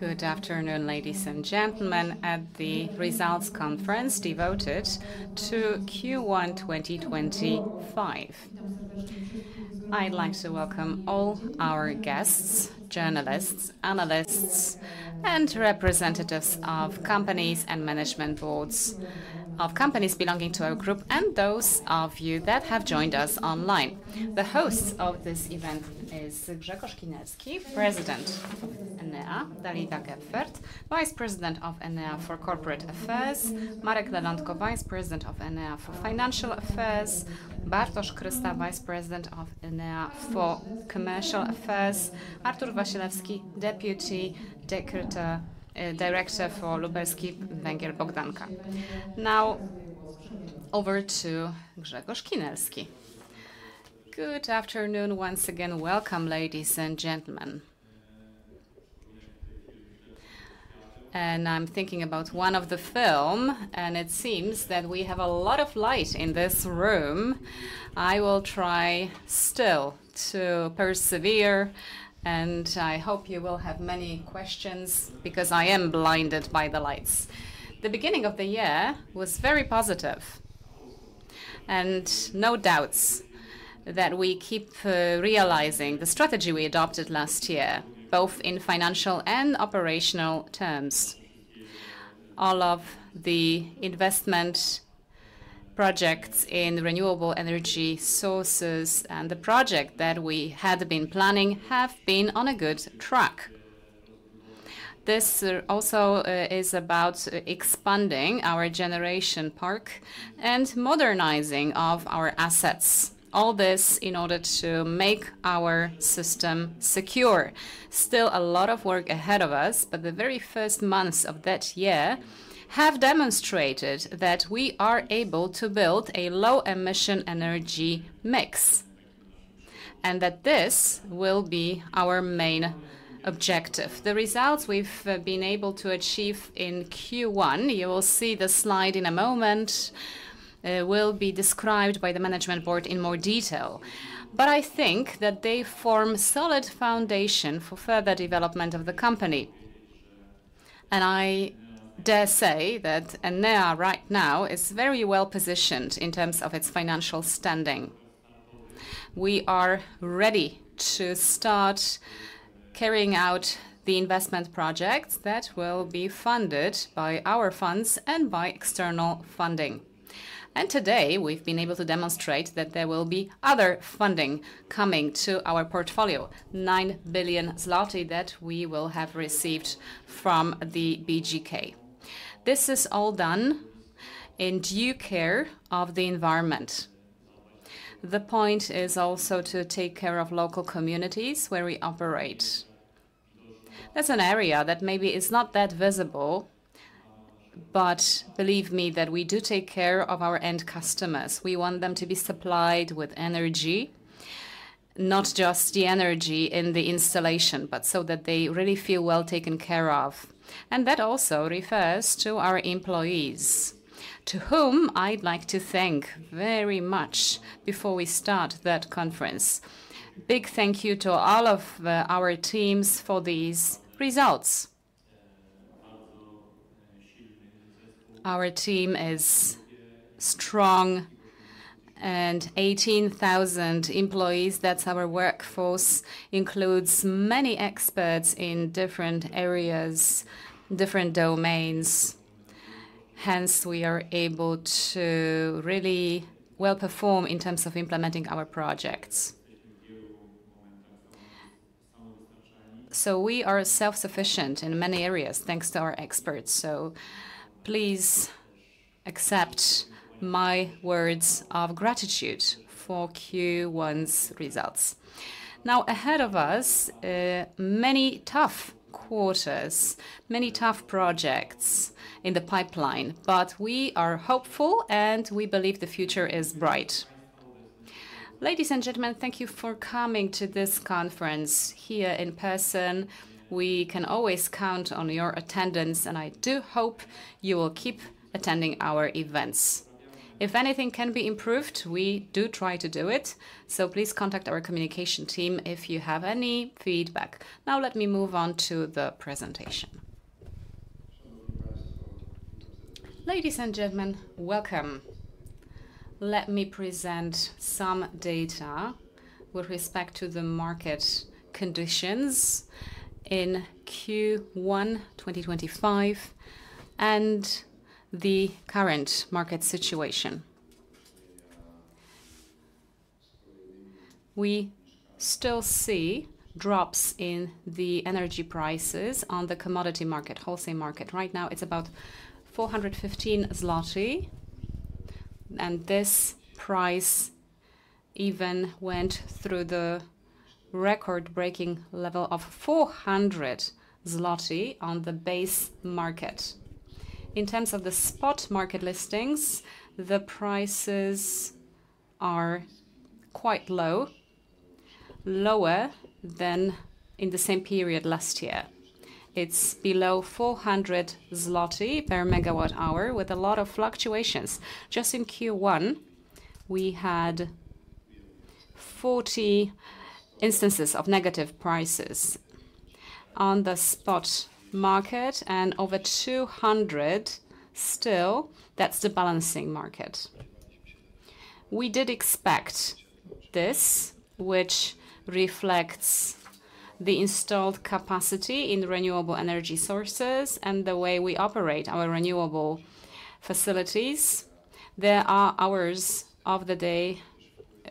Good afternoon, ladies and gentlemen, at the results conference devoted to Q1 2025. I'd like to welcome all our guests, journalists, analysts, and representatives of companies and management boards of companies belonging to our group, and those of you that have joined us online. The host of this event is Grzegorz Kinelski, President of Enea, Dawid Gefert, Vice President of Enea for Corporate Affairs, Marek Lewandowski, Vice President of Enea for Financial Affairs, Bartosz Krysta, Vice President of Enea for Commercial Affairs, Artur Wasilewski, Deputy Director for Lubelski Węgiel Bogdanka. Now over to Grzegorz Kinelski. Good afternoon once again. Welcome, ladies and gentlemen. I'm thinking about one of the films, and it seems that we have a lot of light in this room. I will try still to persevere, and I hope you will have many questions because I am blinded by the lights. The beginning of the year was very positive, and no doubts that we keep realizing the strategy we adopted last year, both in financial and operational terms. All of the investment projects in renewable energy sources and the project that we had been planning have been on a good track. This also is about expanding our generation park and modernizing of our assets. All this in order to make our system secure. Still a lot of work ahead of us, but the very first months of that year have demonstrated that we are able to build a low-emission energy mix and that this will be our main objective. The results we've been able to achieve in Q1, you will see the slide in a moment, will be described by the management board in more detail, but I think that they form a solid foundation for further development of the company. I dare say that Enea right now is very well positioned in terms of its financial standing. We are ready to start carrying out the investment project that will be funded by our funds and by external funding. Today we have been able to demonstrate that there will be other funding coming to our portfolio, 9 billion zloty that we will have received from BGK. This is all done in due care of the environment. The point is also to take care of local communities where we operate. That is an area that maybe is not that visible, but believe me that we do take care of our end customers. We want them to be supplied with energy, not just the energy in the installation, but so that they really feel well taken care of. That also refers to our employees, to whom I'd like to thank very much before we start that conference. Big thank you to all of our teams for these results. Our team is strong, and 18,000 employees, that's our workforce, includes many experts in different areas, different domains. Hence, we are able to really well perform in terms of implementing our projects. We are self-sufficient in many areas thanks to our experts. Please accept my words of gratitude for Q1's results. Now, ahead of us, many tough quarters, many tough projects in the pipeline, but we are hopeful and we believe the future is bright. Ladies and gentlemen, thank you for coming to this conference here in person. We can always count on your attendance, and I do hope you will keep attending our events. If anything can be improved, we do try to do it. Please contact our communication team if you have any feedback. Now let me move on to the presentation. Ladies and gentlemen, welcome. Let me present some data with respect to the market conditions in Q1 2025 and the current market situation. We still see drops in the energy prices on the commodity market, wholesale market. Right now, it's about 415 zloty, and this price even went through the record-breaking level of 400 zloty on the base market. In terms of the spot market listings, the prices are quite low, lower than in the same period last year. It's below 400 zloty per MWh with a lot of fluctuations. Just in Q1, we had 40 instances of negative prices on the spot market and over 200 still, that's the balancing market. We did expect this, which reflects the installed capacity in renewable energy sources and the way we operate our renewable facilities. There are hours of the day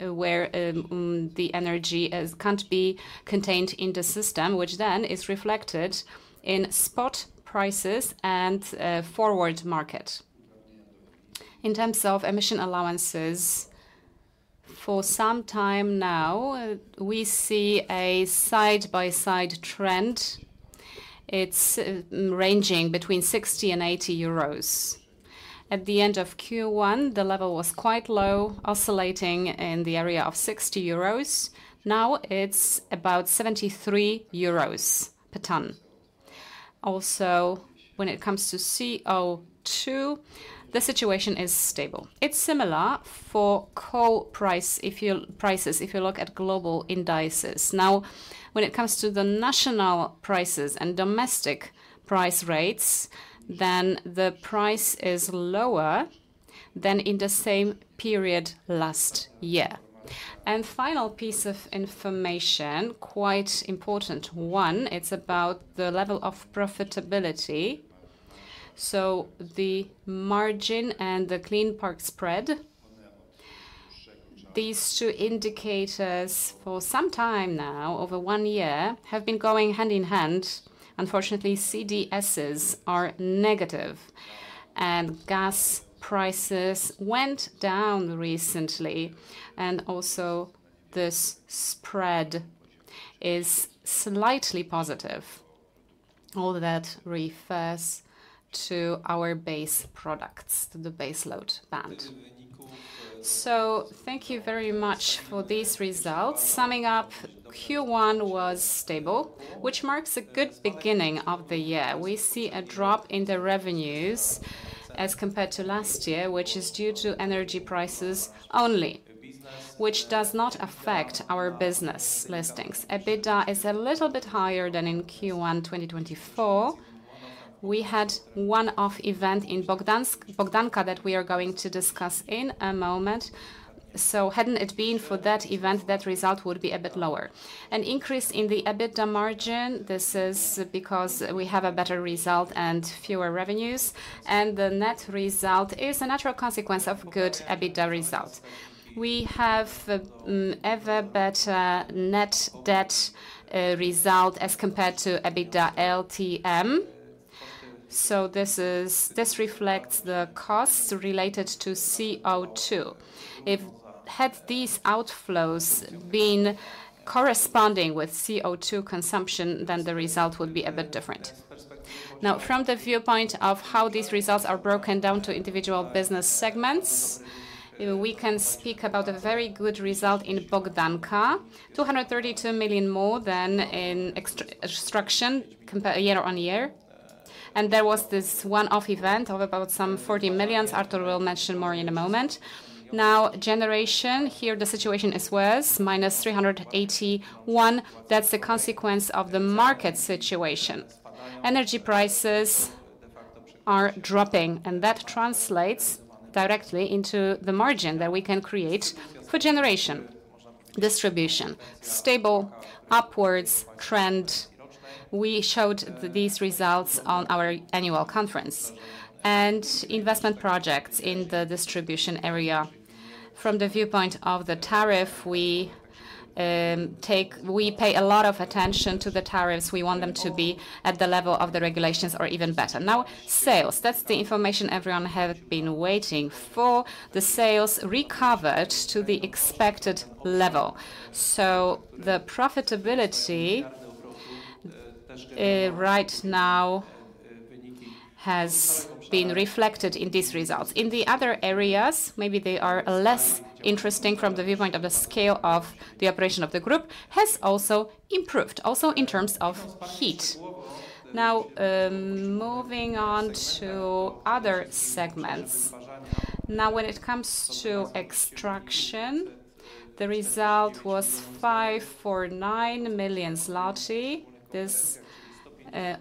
where the energy cannot be contained in the system, which then is reflected in spot prices and forward market. In terms of emission allowances, for some time now, we see a side-by-side trend. It is ranging between 60-80 euros. At the end of Q1, the level was quite low, oscillating in the area of 60 euros. Now it is about 73 euros per ton. Also, when it comes to CO2, the situation is stable. It is similar for coal prices if you look at global indices. Now, when it comes to the national prices and domestic price rates, then the price is lower than in the same period last year. A final piece of information, quite important one, it is about the level of profitability. The margin and the clean spark spread, these two indicators for some time now, over one year, have been going hand in hand. Unfortunately, CDSs are negative, and gas prices went down recently, and also this spread is slightly positive. All that refers to our base products, to the base load band. Thank you very much for these results. Summing up, Q1 was stable, which marks a good beginning of the year. We see a drop in the revenues as compared to last year, which is due to energy prices only, which does not affect our business listings. EBITDA is a little bit higher than in Q1 2024. We had one-off event in Bogdanka that we are going to discuss in a moment. Hadn't it been for that event, that result would be a bit lower. An increase in the EBITDA margin, this is because we have a better result and fewer revenues, and the net result is a natural consequence of good EBITDA result. We have ever better net debt result as compared to EBITDA LTM. This reflects the costs related to CO2. If these outflows had been corresponding with CO2 consumption, then the result would be a bit different. Now, from the viewpoint of how these results are broken down to individual business segments, we can speak about a very good result in Bogdanka, 232 million more than in extraction year on year. There was this one-off event of about 40 million. Artur will mention more in a moment. Now, generation here, the situation is worse, minus 381 million. That is the consequence of the market situation. Energy prices are dropping, and that translates directly into the margin that we can create for generation distribution. Stable upwards trend. We showed these results on our annual conference and investment projects in the distribution area. From the viewpoint of the tariff, we pay a lot of attention to the tariffs. We want them to be at the level of the regulations or even better. Now, sales, that's the information everyone has been waiting for. The sales recovered to the expected level. So the profitability right now has been reflected in these results. In the other areas, maybe they are less interesting from the viewpoint of the scale of the operation of the group, has also improved, also in terms of heat. Now, moving on to other segments. Now, when it comes to extraction, the result was 549 million zloty. This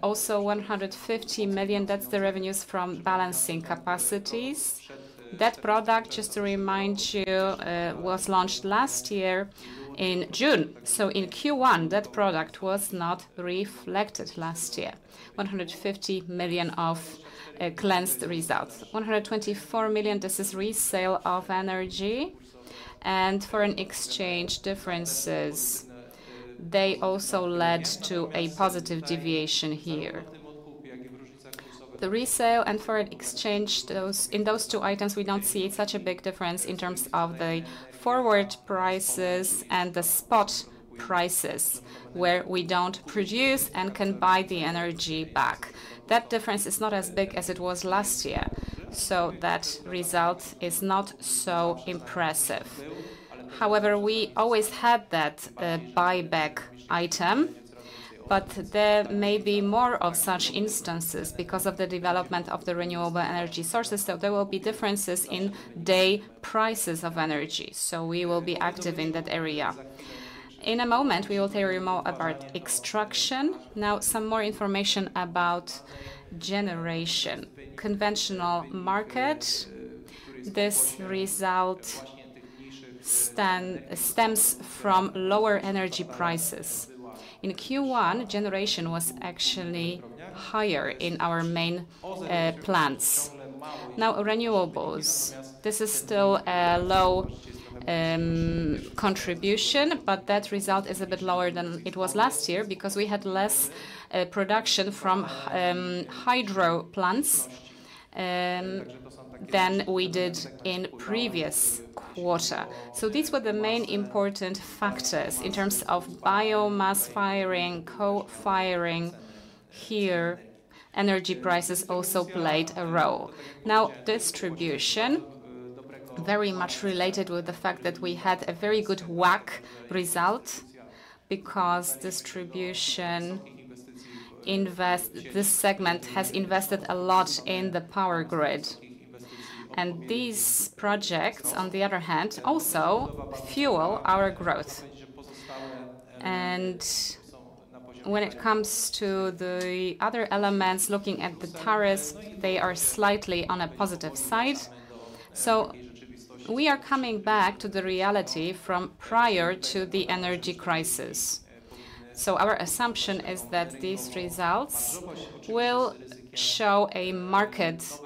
also 150 million, that's the revenues from balancing capacities. That product, just to remind you, was launched last year in June. In Q1, that product was not reflected last year. 150 million of cleansed results. 124 million, this is resale of energy and foreign exchange differences. They also led to a positive deviation here. The resale and foreign exchange, in those two items, we do not see such a big difference in terms of the forward prices and the spot prices, where we do not produce and can buy the energy back. That difference is not as big as it was last year. That result is not so impressive. However, we always had that buyback item, but there may be more of such instances because of the development of the renewable energy sources. There will be differences in day prices of energy. We will be active in that area. In a moment, we will tell you more about extraction. Now, some more information about generation. Conventional market, this result stems from lower energy prices. In Q1, generation was actually higher in our main plants. Now, renewables, this is still a low contribution, but that result is a bit lower than it was last year because we had less production from hydro plants than we did in the previous quarter. These were the main important factors in terms of biomass firing, coal firing here. Energy prices also played a role. Now, distribution, very much related with the fact that we had a very good WACC result because distribution invests, this segment has invested a lot in the power grid. These projects, on the other hand, also fuel our growth. When it comes to the other elements, looking at the tariffs, they are slightly on a positive side. We are coming back to the reality from prior to the energy crisis. Our assumption is that these results will show a market-oriented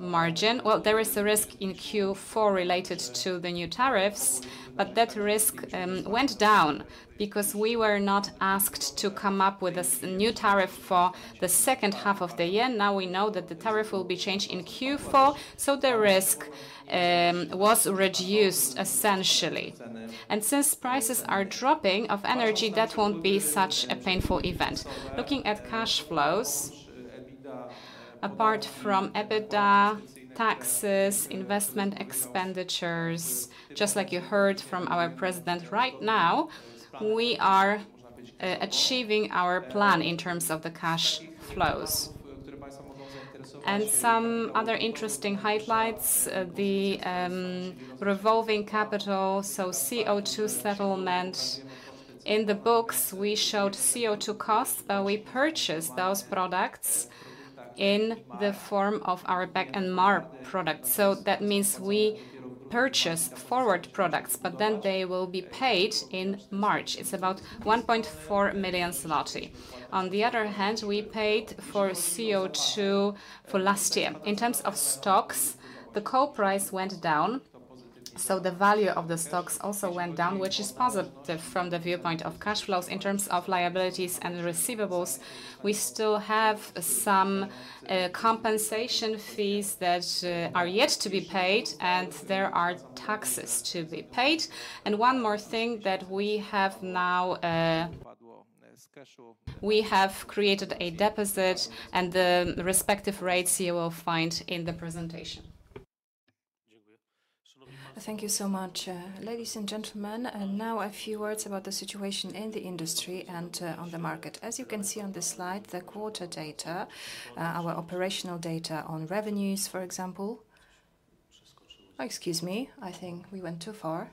margin. There is a risk in Q4 related to the new tariffs, but that risk went down because we were not asked to come up with a new tariff for the second half of the year. Now we know that the tariff will be changed in Q4, so the risk was reduced essentially. Since prices are dropping of energy, that will not be such a painful event. Looking at cash flows, apart from EBITDA, taxes, investment expenditures, just like you heard from our President right now, we are achieving our plan in terms of the cash flows. Some other interesting highlights, the revolving capital, so CO2 settlement. In the books, we showed CO2 costs, but we purchased those products in the form of our back-and-mark products. That means we purchased forward products, but then they will be paid in March. It is about 1.4 million zloty. On the other hand, we paid for CO2 for last year. In terms of stocks, the coal price went down, so the value of the stocks also went down, which is positive from the viewpoint of cash flows. In terms of liabilities and receivables, we still have some compensation fees that are yet to be paid, and there are taxes to be paid. One more thing that we have now, we have created a deposit, and the respective rates you will find in the presentation. Thank you so much, ladies and gentlemen. Now a few words about the situation in the industry and on the market. As you can see on the slide, the quarter data, our operational data on revenues, for example. Excuse me, I think we went too far.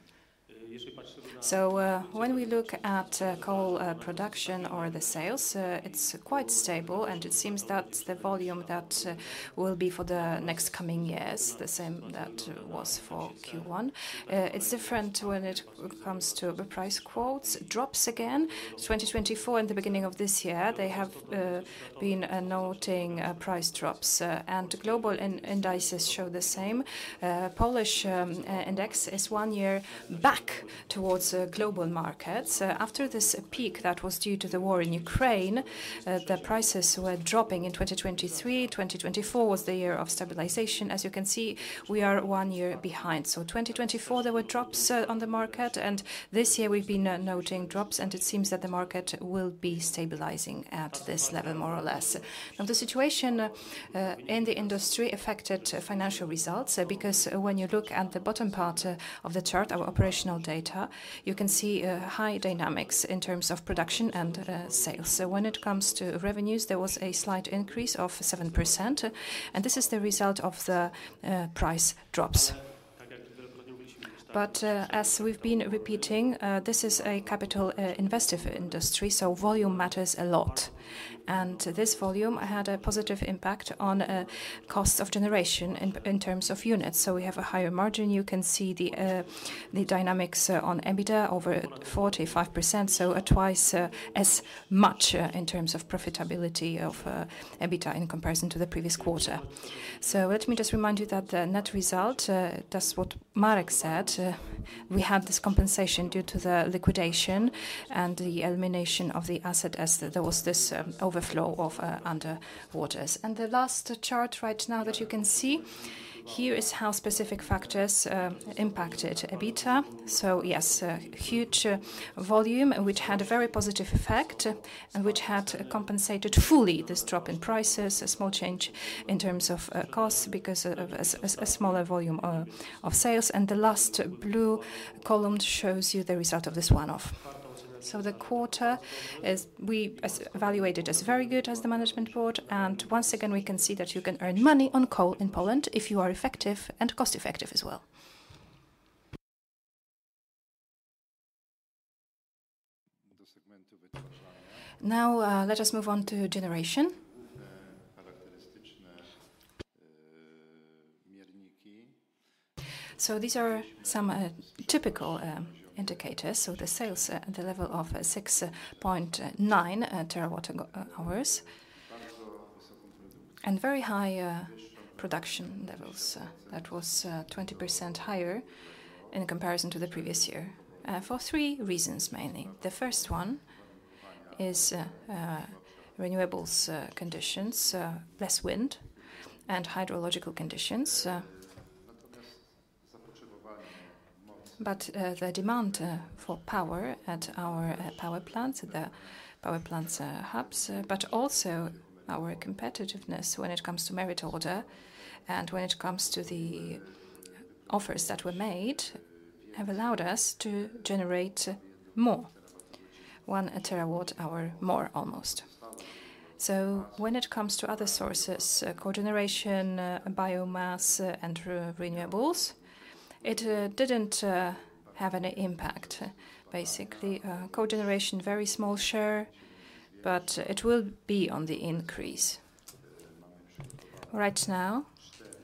When we look at coal production or the sales, it is quite stable, and it seems that the volume that will be for the next coming years, the same that was for Q1, it is different when it comes to the price quotes. Drops again. 2024, in the beginning of this year, they have been noting price drops, and global indices show the same. Polish index is one year back towards global markets. After this peak that was due to the war in Ukraine, the prices were dropping in 2023. 2024 was the year of stabilization. As you can see, we are one year behind. In 2024, there were drops on the market, and this year we've been noting drops, and it seems that the market will be stabilizing at this level, more or less. Now, the situation in the industry affected financial results because when you look at the bottom part of the chart, our operational data, you can see high dynamics in terms of production and sales. When it comes to revenues, there was a slight increase of 7%, and this is the result of the price drops. As we've been repeating, this is a capital invested industry, so volume matters a lot. This volume had a positive impact on costs of generation in terms of units. We have a higher margin. You can see the dynamics on EBITDA over 45%, so twice as much in terms of profitability of EBITDA in comparison to the previous quarter. Let me just remind you that the net result, that's what Marek said, we had this compensation due to the liquidation and the elimination of the asset as there was this overflow of underwaters. The last chart right now that you can see here is how specific factors impacted EBITDA. Yes, huge volume, which had a very positive effect and which had compensated fully this drop in prices, a small change in terms of costs because of a smaller volume of sales. The last blue column shows you the result of this one-off. The quarter is we evaluated as very good as the Management Board. Once again, we can see that you can earn money on coal in Poland if you are effective and cost-effective as well. Now, let us move on to generation. These are some typical indicators. The sales at the level of 6.9 TWh and very high production levels. That was 20% higher in comparison to the previous year for three reasons mainly. The first one is renewables conditions, less wind and hydrological conditions, but the demand for power at our power plants, the power plants hubs, but also our competitiveness when it comes to merit order and when it comes to the offers that were made have allowed us to generate more, one TWh more almost. When it comes to other sources, cogeneration, biomass, and renewables, it did not have any impact. Basically, cogeneration, very small share, but it will be on the increase. Right now,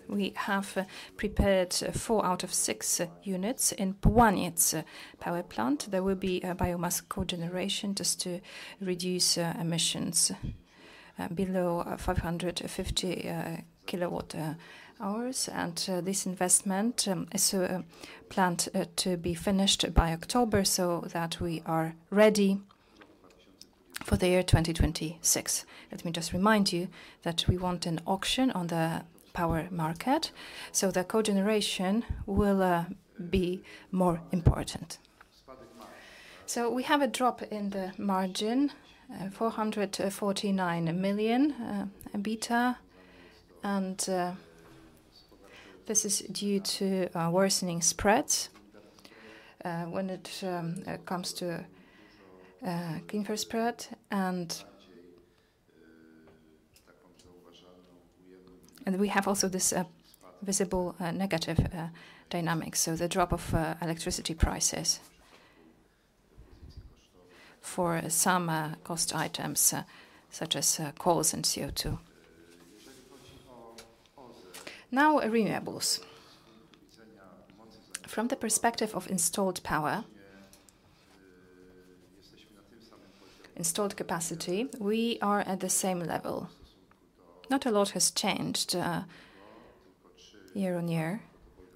we have prepared four out of six units in Połańiec power plant. There will be biomass cogeneration just to reduce emissions below 550 kWh. This investment is to be finished by October so that we are ready for the year 2026. Let me just remind you that we won an auction on the Capacity Market. The cogeneration will be more important. We have a drop in the margin, 449 million EBITDA, and this is due to worsening spreads when it comes to Clean Spark Spread. We also have this visible negative dynamic, the drop of electricity prices for some cost items such as coal and CO2. Now, renewables, from the perspective of installed power, installed capacity, we are at the same level. Not a lot has changed year on year.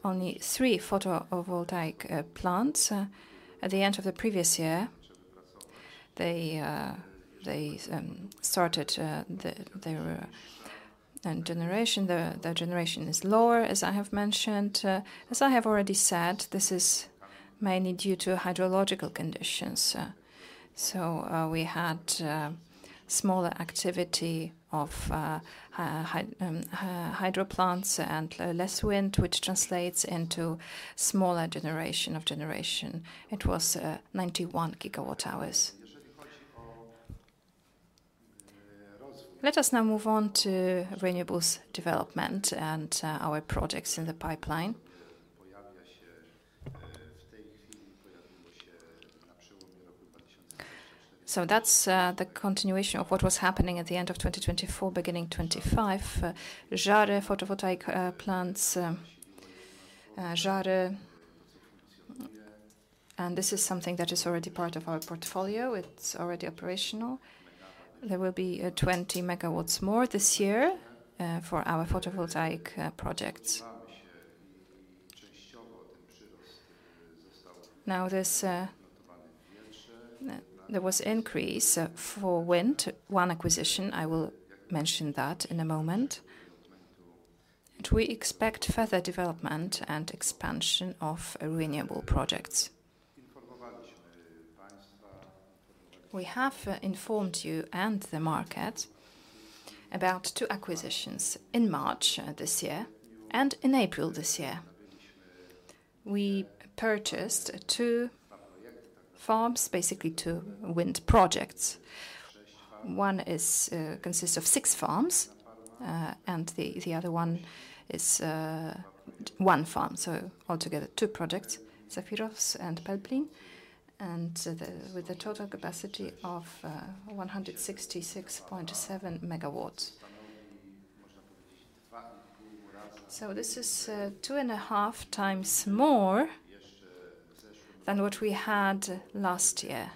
Only three photovoltaic plants at the end of the previous year. They started their generation. The generation is lower, as I have mentioned. As I have already said, this is mainly due to hydrological conditions. We had smaller activity of hydro plants and less wind, which translates into smaller generation of generation. It was 91 GWh. Let us now move on to renewables development and our projects in the pipeline. That is the continuation of what was happening at the end of 2024, beginning 2025. This is something that is already part of our portfolio. It is already operational. There will be 20 MW more this year for our photovoltaic projects. There was increase for wind, one acquisition. I will mention that in a moment. We expect further development and expansion of renewable projects. We have informed you and the market about two acquisitions in March this year and in April this year. We purchased two farms, basically two wind projects. One consists of six farms and the other one is one farm. Altogether two projects, Zefiroves and Pelplin, with a total capacity of 166.7 MW. This is two and a half times more than what we had last year,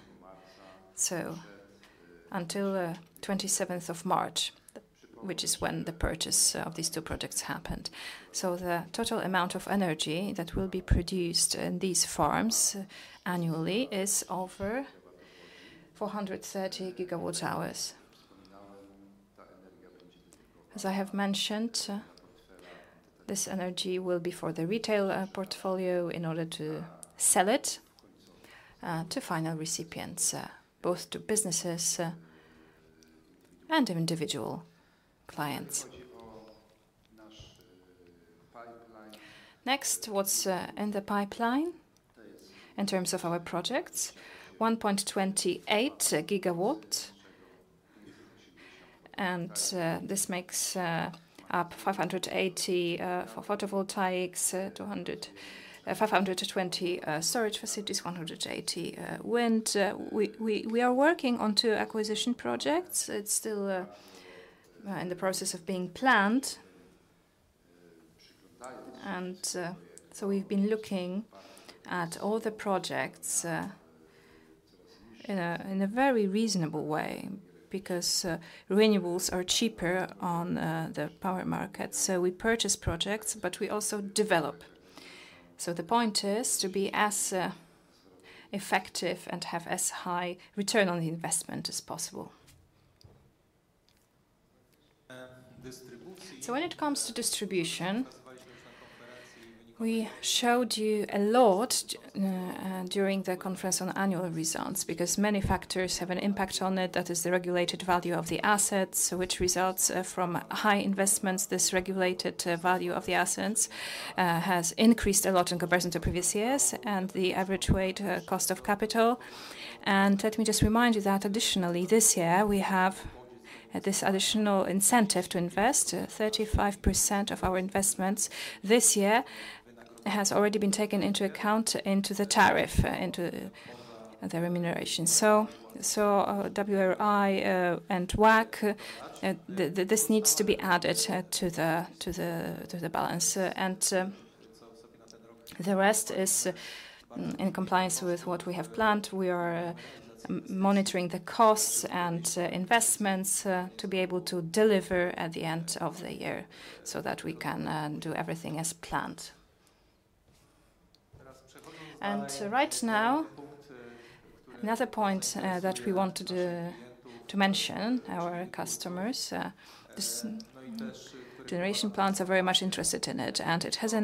until the 27th of March, which is when the purchase of these two projects happened. The total amount of energy that will be produced in these farms annually is over 430 GWh. As I have mentioned, this energy will be for the retail portfolio in order to sell it to final recipients, both to businesses and individual clients. Next, what's in the pipeline in terms of our projects? 1.28 GW, and this makes up 580 for photovoltaics, 520 storage facilities, 180 wind. We are working on two acquisition projects. It's still in the process of being planned. We have been looking at all the projects in a very reasonable way because renewables are cheaper on the power market. We purchase projects, but we also develop. The point is to be as effective and have as high return on the investment as possible. When it comes to distribution, we showed you a lot during the conference on annual results because many factors have an impact on it. That is the regulated value of the assets, which results from high investments. This regulated value of the assets has increased a lot in comparison to previous years and the average weighted cost of capital. Let me just remind you that additionally this year we have this additional incentive to invest. 35% of our investments this year has already been taken into account into the tariff, into the remuneration. WRA and WACC, this needs to be added to the balance. The rest is in compliance with what we have planned. We are monitoring the costs and investments to be able to deliver at the end of the year so that we can do everything as planned. Right now, another point that we wanted to mention to our customers, generation plants are very much interested in it, and it has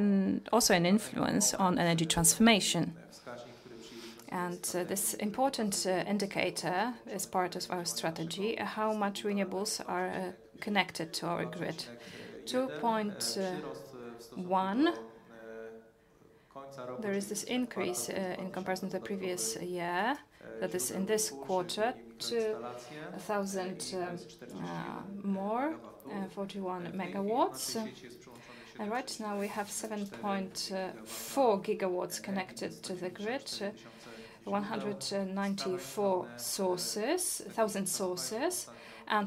also an influence on energy transformation. This important indicator is part of our strategy, how much renewables are connected to our grid. 2.1, there is this increase in comparison to the previous year, that is in this quarter, to 1,000 more, 41 MW. Right now we have 7.4 GW connected to the grid, 194 sources, 1,000 sources.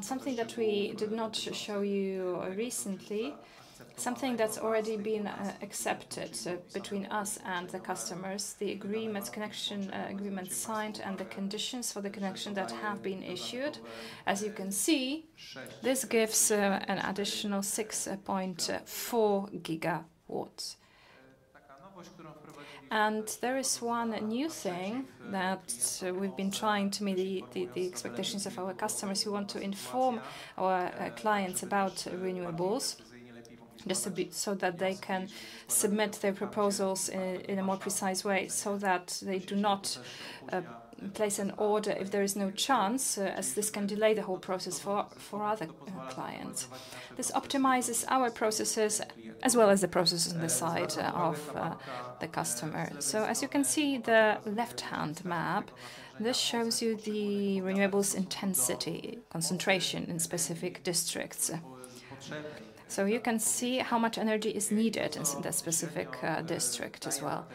Something that we did not show you recently, something that's already been accepted between us and the customers, the agreements, connection agreements signed and the conditions for the connection that have been issued. As you can see, this gives an additional 6.4 GW. There is one new thing that we've been trying to meet the expectations of our customers. We want to inform our clients about renewables just a bit so that they can submit their proposals in a more precise way so that they do not place an order if there is no chance, as this can delay the whole process for other clients. This optimizes our processes as well as the processes on the side of the customer. As you can see, the left-hand map shows you the renewables intensity concentration in specific districts. You can see how much energy is needed in the specific district as well.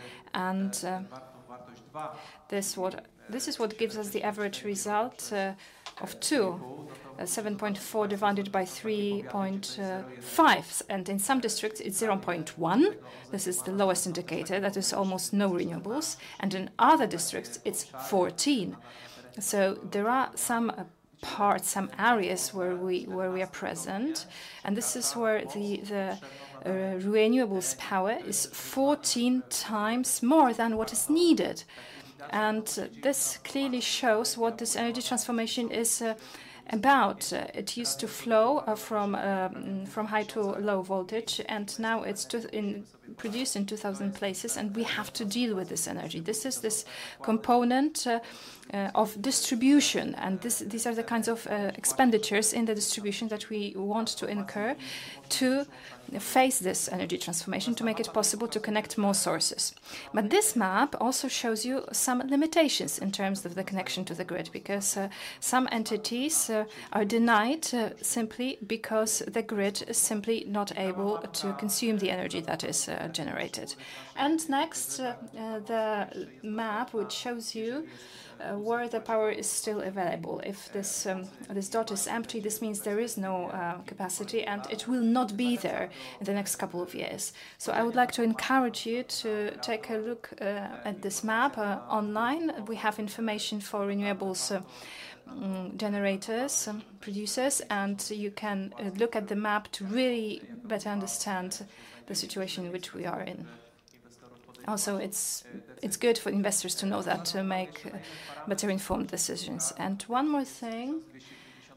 This is what gives us the average result of 2, 7.4 divided by 3.5. In some districts, it is 0.1. This is the lowest indicator. That is almost no renewables. In other districts, it is 14. There are some parts, some areas where we are present. This is where the renewables power is 14 times more than what is needed. This clearly shows what this energy transformation is about. It used to flow from high to low voltage, and now it is produced in 2,000 places, and we have to deal with this energy. This is this component of distribution. These are the kinds of expenditures in the distribution that we want to incur to face this energy transformation, to make it possible to connect more sources. This map also shows you some limitations in terms of the connection to the grid because some entities are denied simply because the grid is simply not able to consume the energy that is generated. Next, the map, which shows you where the power is still available. If this dot is empty, this means there is no capacity, and it will not be there in the next couple of years. I would like to encourage you to take a look at this map online. We have information for renewables generators, producers, and you can look at the map to really better understand the situation in which we are in. Also, it is good for investors to know that to make better informed decisions. One more thing,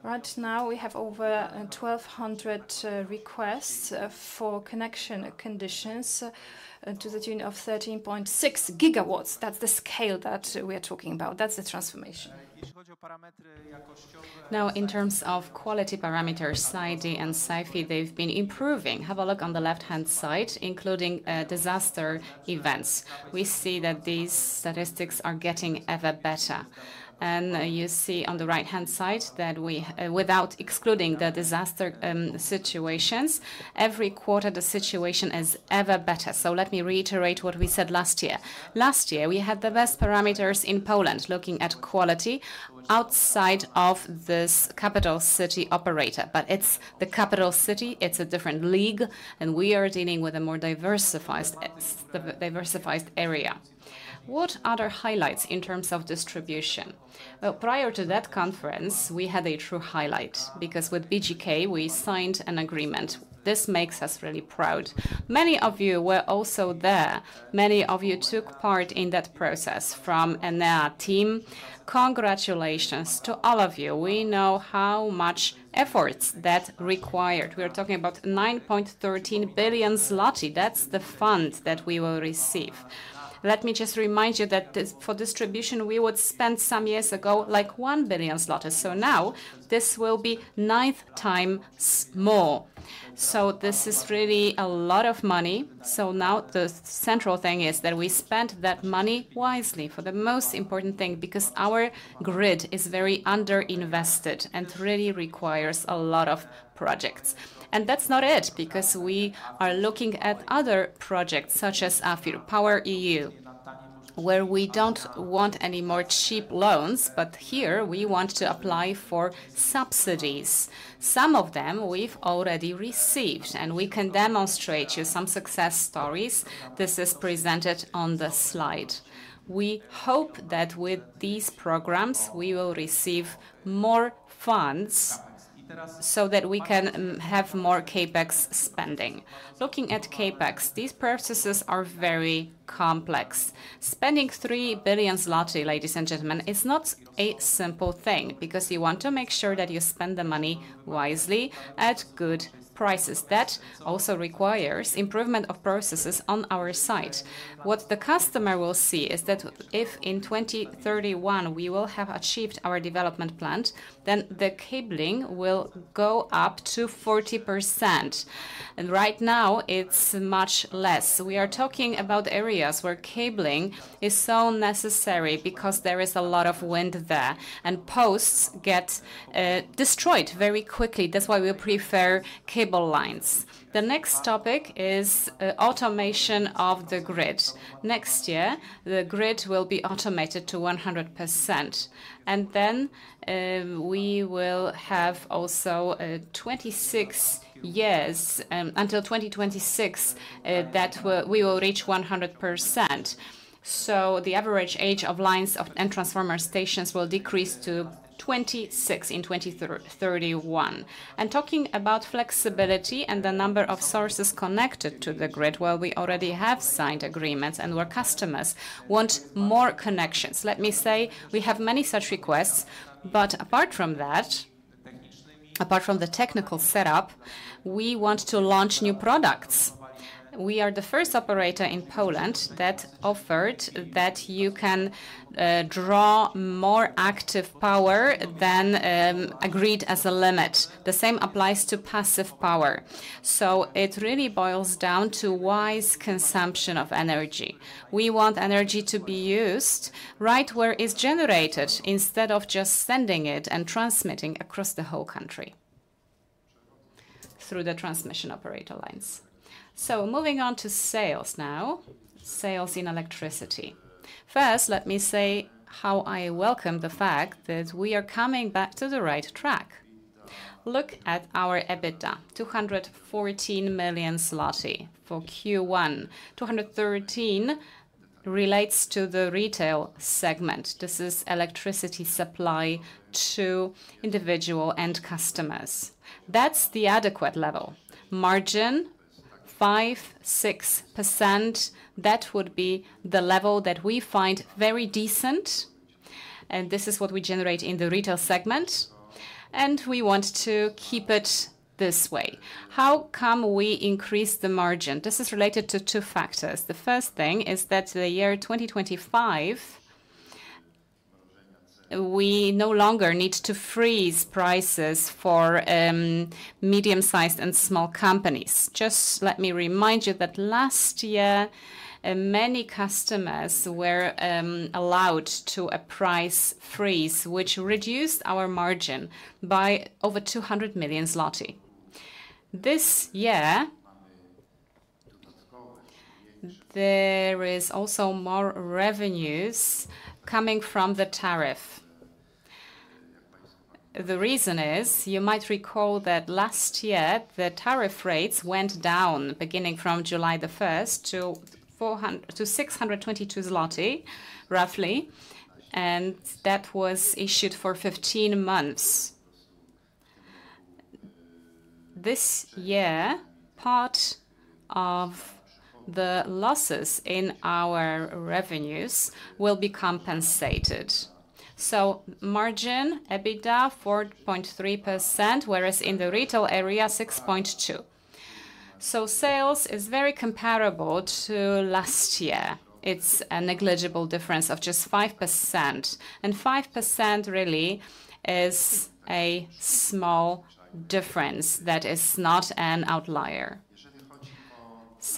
right now we have over 1,200 requests for connection conditions to the tune of 13.6 GW. That's the scale that we are talking about. That's the transformation. Now, in terms of quality parameters, SAIDI and SAIFI, they've been improving. Have a look on the left-hand side, including disaster events. We see that these statistics are getting ever better. You see on the right-hand side that we, without excluding the disaster situations, every quarter the situation is ever better. Let me reiterate what we said last year. Last year, we had the best parameters in Poland looking at quality outside of this capital city operator. It is the capital city. It is a different league, and we are dealing with a more diversified area. What are the highlights in terms of distribution? Prior to that conference, we had a true highlight because with BGK, we signed an agreement. This makes us really proud. Many of you were also there. Many of you took part in that process from Enea team. Congratulations to all of you. We know how much effort that required. We are talking about 9.13 billion zloty. That's the fund that we will receive. Let me just remind you that for distribution, we would spend some years ago like 1 billion zlotys. Now this will be nine times more. This is really a lot of money. The central thing is that we spend that money wisely for the most important thing because our grid is very underinvested and really requires a lot of projects. That is not it because we are looking at other projects such as Afir Power EU, where we do not want any more cheap loans, but here we want to apply for subsidies. Some of them we have already received, and we can demonstrate you some success stories. This is presented on the slide. We hope that with these programs, we will receive more funds so that we can have more CapEx spending. Looking at CapEx, these processes are very complex. Spending 3 billion zloty, ladies and gentlemen, is not a simple thing because you want to make sure that you spend the money wisely at good prices. That also requires improvement of processes on our side. What the customer will see is that if in 2031 we will have achieved our development plan, then the cabling will go up to 40%. And right now it's much less. We are talking about areas where cabling is so necessary because there is a lot of wind there and posts get destroyed very quickly. That's why we prefer cable lines. The next topic is automation of the grid. Next year, the grid will be automated to 100%. We will have also 26 years until 2026 that we will reach 100%. The average age of lines and transformer stations will decrease to 26 in 2031. Talking about flexibility and the number of sources connected to the grid, we already have signed agreements and customers want more connections. Let me say we have many such requests. Apart from the technical setup, we want to launch new products. We are the first operator in Poland that offered that you can draw more active power than agreed as a limit. The same applies to passive power. It really boils down to wise consumption of energy. We want energy to be used right where it is generated instead of just sending it and transmitting across the whole country through the transmission operator lines. Moving on to sales now, sales in electricity. First, let me say how I welcome the fact that we are coming back to the right track. Look at our EBITDA, 214 million zloty for Q1. 213 million relates to the retail segment. This is electricity supply to individual and customers. That's the adequate level. Margin 5%-6%. That would be the level that we find very decent. This is what we generate in the retail segment. We want to keep it this way. How come we increase the margin? This is related to two factors. The first thing is that the year 2025, we no longer need to freeze prices for medium-sized and small companies. Just let me remind you that last year, many customers were allowed to a price freeze, which reduced our margin by over 200 million zloty. This year, there is also more revenues coming from the tariff. The reason is, you might recall that last year, the tariff rates went down beginning from July 1 to 622 zloty roughly, and that was issued for 15 months. This year, part of the losses in our revenues will be compensated. Margin, EBITDA 4.3%, whereas in the retail area, 6.2%. Sales is very comparable to last year. It is a negligible difference of just 5%. Five percent really is a small difference that is not an outlier.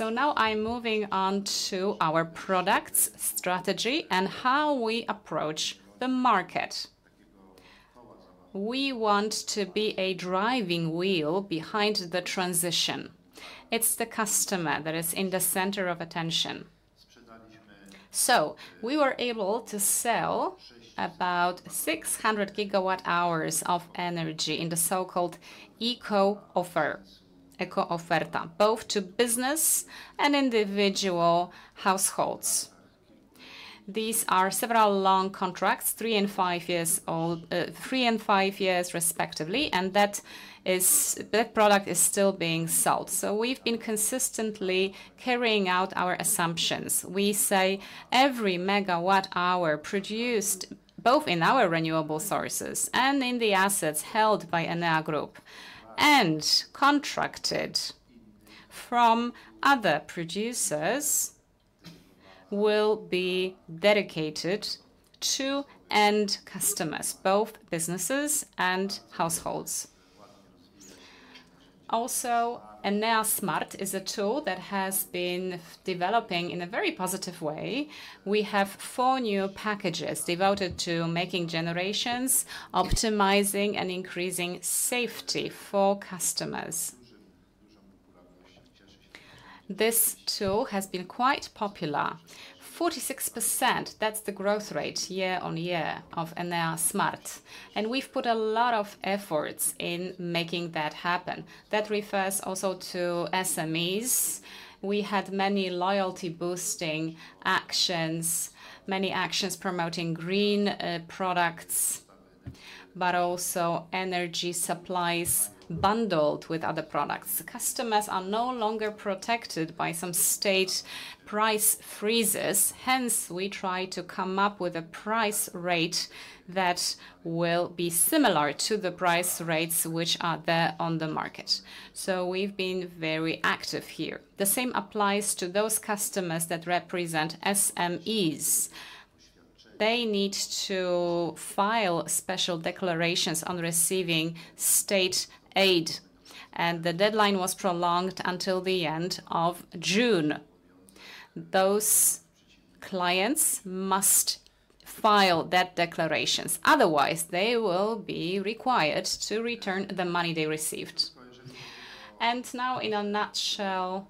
Now I am moving on to our products strategy and how we approach the market. We want to be a driving wheel behind the transition. It is the customer that is in the center of attention. We were able to sell about 600 GWh of energy in the so-called Eco-Offer, Eco-Offerta, both to business and individual households. These are several long contracts, 3 and 5 years old, 3 and 5 years respectively, and that product is still being sold. We have been consistently carrying out our assumptions. We say every MWh produced, both in our renewable sources and in the assets held by Enea Group and contracted from other producers, will be dedicated to end customers, both businesses and households. Also, Enea Smart is a tool that has been developing in a very positive way. We have four new packages devoted to making generations, optimizing, and increasing safety for customers. This tool has been quite popular. 46% is the growth rate year on year of Enea Smart. We have put a lot of effort into making that happen. That refers also to SMEs. We had many loyalty-boosting actions, many actions promoting green products, but also energy supplies bundled with other products. Customers are no longer protected by some state price freezes. Hence, we try to come up with a price rate that will be similar to the price rates which are there on the market. We have been very active here. The same applies to those customers that represent SMEs. They need to file special declarations on receiving state aid, and the deadline was prolonged until the end of June. Those clients must file that declarations. Otherwise, they will be required to return the money they received. In a nutshell,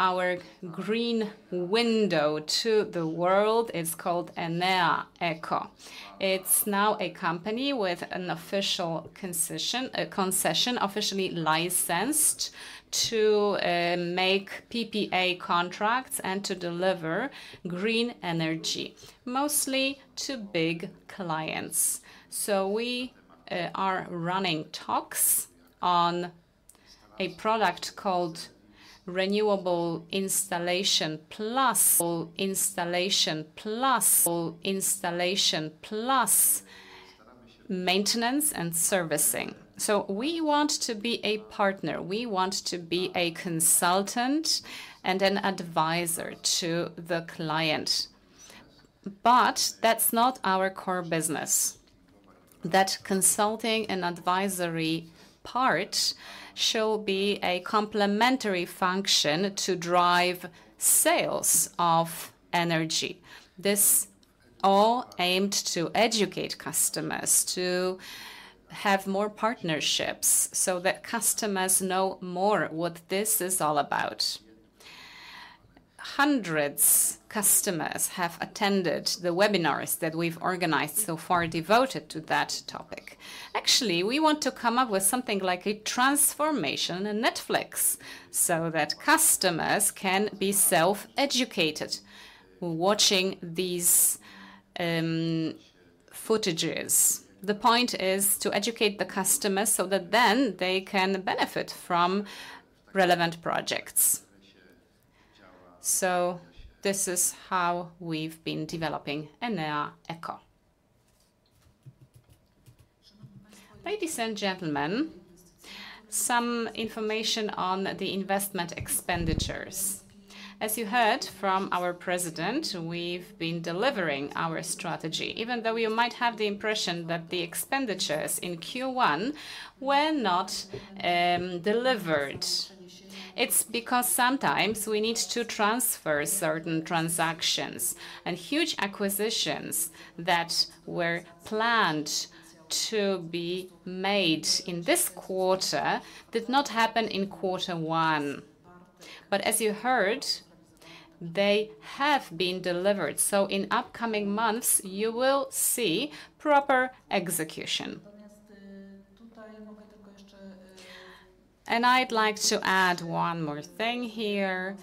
our green window to the world is called Enea Eco. It is now a company with an official concession, a concession officially licensed to make PPA contracts and to deliver green energy, mostly to big clients. We are running talks on a product called Renewable Installation Plus. Installation Plus. Installation Plus Maintenance and Servicing. We want to be a partner. We want to be a consultant and an advisor to the client. That is not our core business. That consulting and advisory part shall be a complementary function to drive sales of energy. This is all aimed to educate customers to have more partnerships so that customers know more what this is all about. Hundreds of customers have attended the webinars that we have organized so far devoted to that topic. Actually, we want to come up with something like a transformation on Netflix so that customers can be self-educated watching these footages. The point is to educate the customers so that then they can benefit from relevant projects. This is how we have been developing Enea Eco. Ladies and gentlemen, some information on the investment expenditures. As you heard from our President, we've been delivering our strategy, even though you might have the impression that the expenditures in Q1 were not delivered. It is because sometimes we need to transfer certain transactions. Huge acquisitions that were planned to be made in this quarter did not happen in quarter one. As you heard, they have been delivered. In upcoming months, you will see proper execution. I would like to add one more thing here.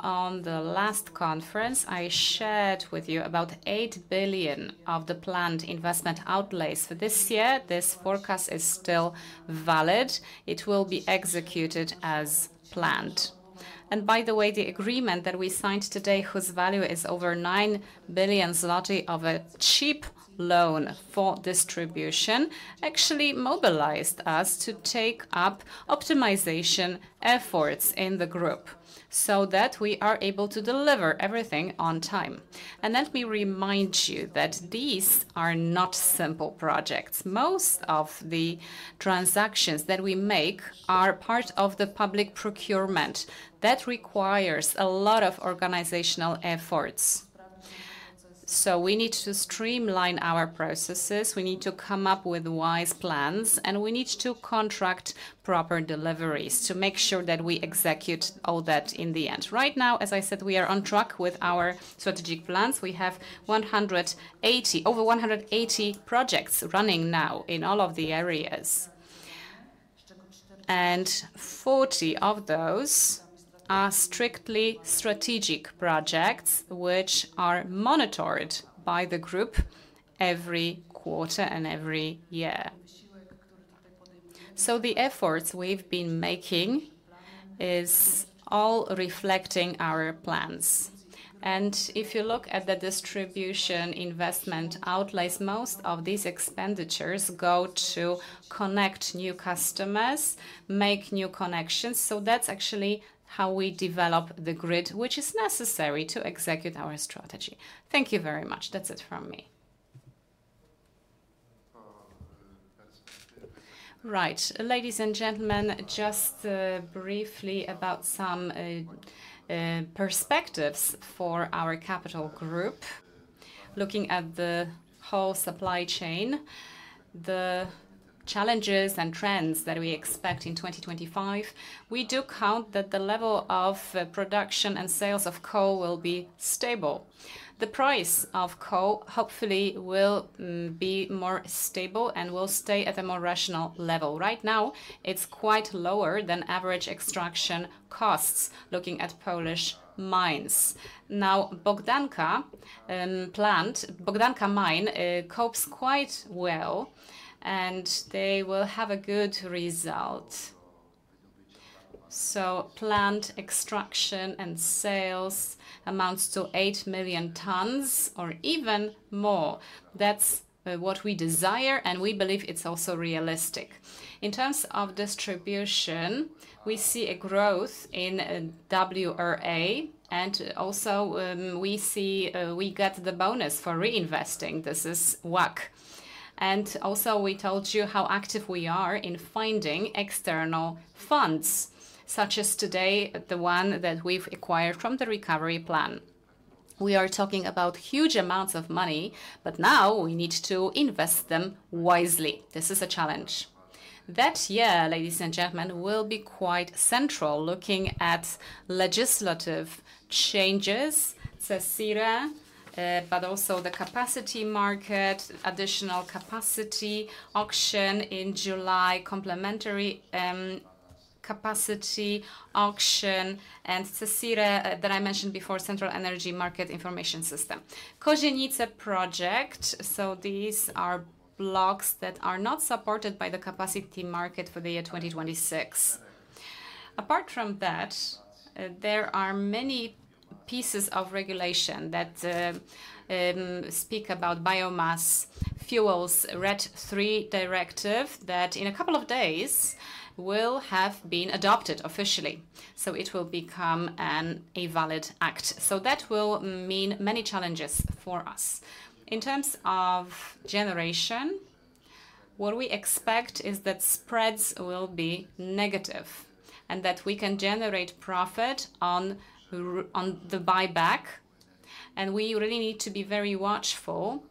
On the last conference, I shared with you about 8 billion of the planned investment outlays. This year, this forecast is still valid. It will be executed as planned. By the way, the agreement that we signed today, whose value is over 9 billion zloty of a cheap loan for distribution, actually mobilized us to take up optimization efforts in the group so that we are able to deliver everything on time. Let me remind you that these are not simple projects. Most of the transactions that we make are part of the public procurement. That requires a lot of organizational efforts. We need to streamline our processes. We need to come up with wise plans, and we need to contract proper deliveries to make sure that we execute all that in the end. Right now, as I said, we are on track with our strategic plans. We have over 180 projects running now in all of the areas. 40 of those are strictly strategic projects, which are monitored by the group every quarter and every year. The efforts we have been making are all reflecting our plans. If you look at the distribution investment outlays, most of these expenditures go to connect new customers, make new connections. That is actually how we develop the grid, which is necessary to execute our strategy. Thank you very much. That is it from me. Ladies and gentlemen, just briefly about some perspectives for our capital group. Looking at the whole supply chain, the challenges and trends that we expect in 2025, we do count that the level of production and sales of coal will be stable. The price of coal hopefully will be more stable and will stay at a more rational level. Right now, it is quite lower than average extraction costs, looking at Polish mines. Now, Bogdanka Plant, Bogdanka Mine copes quite well, and they will have a good result. So plant extraction and sales amounts to 8 million tons or even more. That's what we desire, and we believe it's also realistic. In terms of distribution, we see a growth in WRA, and also we see we get the bonus for reinvesting. This is WACC. Also, we told you how active we are in finding external funds, such as today the one that we've acquired from the recovery plan. We are talking about huge amounts of money, but now we need to invest them wisely. This is a challenge. That year, ladies and gentlemen, will be quite central looking at legislative changes, CSIRE, but also the capacity market, additional capacity auction in July, complementary capacity auction, and CSIRE that I mentioned before, Central Energy Market Information System. Kozienice project, these are blocks that are not supported by the capacity market for the year 2026. Apart from that, there are many pieces of regulation that speak about biomass fuels, Red III directive that in a couple of days will have been adopted officially. It will become a valid act. That will mean many challenges for us. In terms of generation, what we expect is that spreads will be negative and that we can generate profit on the buyback. We really need to be very watchful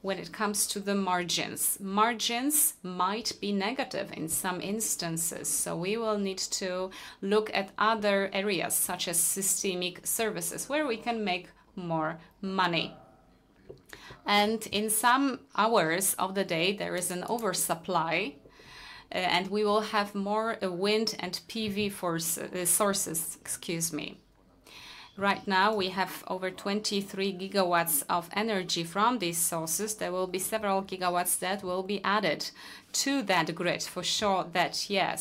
when it comes to the margins. Margins might be negative in some instances. We will need to look at other areas such as systemic services where we can make more money. In some hours of the day, there is an oversupply, and we will have more wind and PV sources. Excuse me. Right now, we have over 23 GW of energy from these sources. There will be several GW that will be added to that grid for sure. Yeah.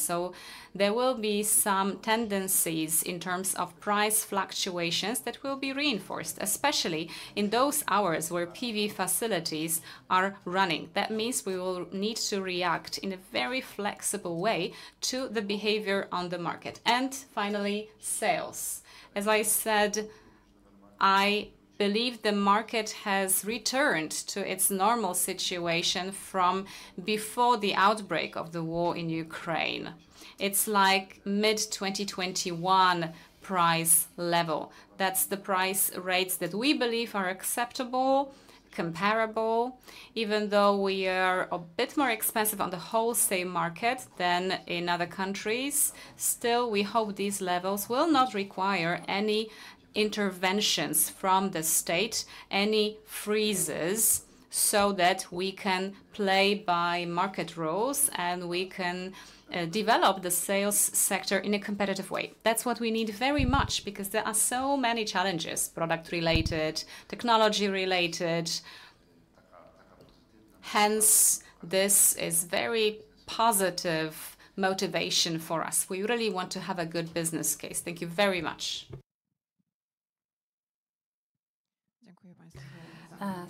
There will be some tendencies in terms of price fluctuations that will be reinforced, especially in those hours where PV facilities are running. That means we will need to react in a very flexible way to the behavior on the market. Finally, sales. As I said, I believe the market has returned to its normal situation from before the outbreak of the war in Ukraine. It's like mid-2021 price level. That's the price rates that we believe are acceptable, comparable. Even though we are a bit more expensive on the wholesale market than in other countries, still we hope these levels will not require any interventions from the state, any freezes so that we can play by market rules and we can develop the sales sector in a competitive way. That is what we need very much because there are so many challenges, product-related, technology-related. Hence, this is very positive motivation for us. We really want to have a good business case. Thank you very much.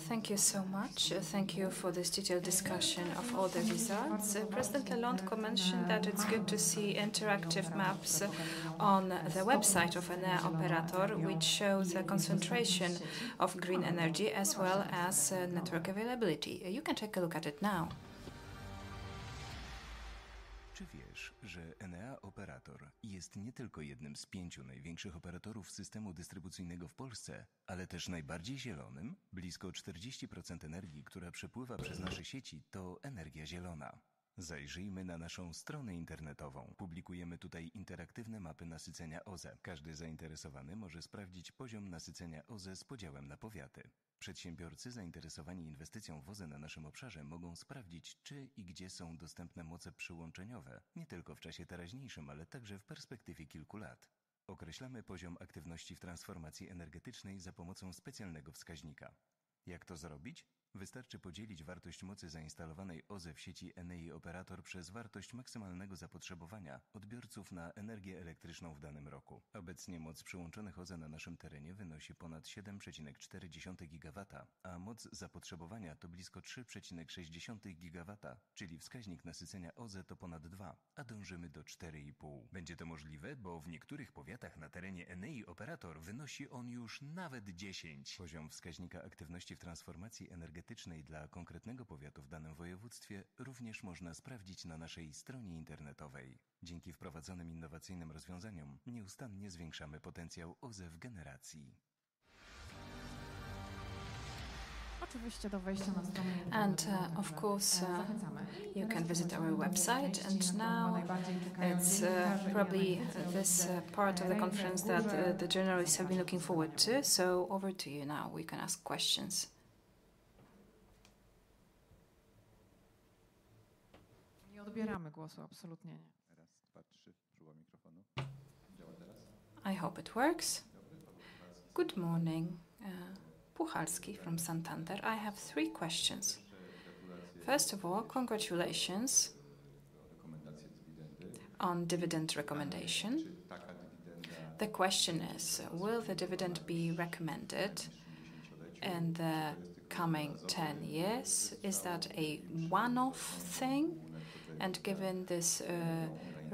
Thank you so much. Thank you for this detailed discussion of all the results. President Kinecki mentioned that it is good to see interactive maps on the website of Enea Operator, which show the concentration of green energy as well as network availability. You can take a look at it now. Czy wiesz, że Enea Operator jest nie tylko jednym z pięciu największych operatorów systemu dystrybucyjnego w Polsce, ale też najbardziej zielonym? Blisko 40% energii, która przepływa przez nasze sieci, to energia zielona. Zajrzyjmy na naszą stronę internetową. Publikujemy tutaj interaktywne mapy nasycenia OZE. Każdy zainteresowany może sprawdzić poziom nasycenia OZE z podziałem na powiaty. Przedsiębiorcy zainteresowani inwestycją w OZE na naszym obszarze mogą sprawdzić, czy i gdzie są dostępne moce przyłączeniowe, nie tylko w czasie teraźniejszym, ale także w perspektywie kilku lat. Określamy poziom aktywności w transformacji energetycznej za pomocą specjalnego wskaźnika. Jak to zrobić? Wystarczy podzielić wartość mocy zainstalowanej OZE w sieci Enea Operator przez wartość maksymalnego zapotrzebowania odbiorców na energię elektryczną w danym roku. Obecnie moc przyłączonych OZE na naszym terenie wynosi ponad 7.4 gigawata, a moc zapotrzebowania to blisko 3.6 gigawata, czyli wskaźnik nasycenia OZE to ponad 2, a dążymy do 4.5. Będzie to możliwe, bo w niektórych powiatach na terenie Enea Operator wynosi on już nawet 10. Poziom wskaźnika aktywności w transformacji energetycznej dla konkretnego powiatu w danym województwie również można sprawdzić na naszej stronie internetowej. Dzięki wprowadzonym innowacyjnym rozwiązaniom nieustannie zwiększamy potencjał OZE w generacji. Oczywiście do wejścia na stronę internetową. Of course, you can visit our website. Now, it is probably this part of the conference that the journalists have been looking forward to. Over to you now. We can ask questions. Nie odbieramy głosu, absolutnie nie. Raz, dwa, trzy, próba mikrofonu. Działa teraz? I hope it works. Dzień dobry, Paweł Puchalski. Good morning. Puchalski from Santander. I have three questions. First of all, congratulations. Dziękuję za rekomendację dywidendy. On dividend recommendation. The question is, will the dividend be recommended in the coming 10 years? Is that a one-off thing? Given this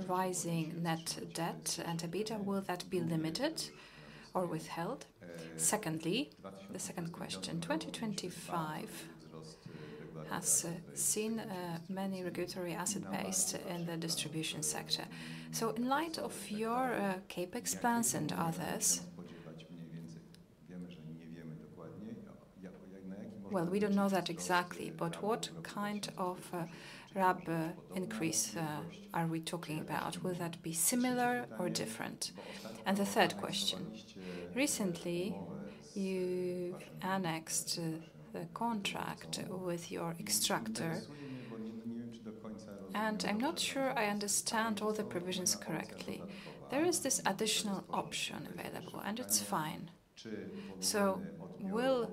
rising net debt and EBITDA, will that be limited or withheld? Secondly, the second question. 2025 has seen many regulatory asset-based in the distribution sector. In light of your CapEx plans and others. Wiemy, że nie wiemy dokładnie, na jaki może. We do not know that exactly, but what kind of RAB increase are we talking about? Will that be similar or different? The third question. Recently, you have annexed the contract with your extractor, and I am not sure I understand all the provisions correctly. There is this additional option available, and it is fine. Will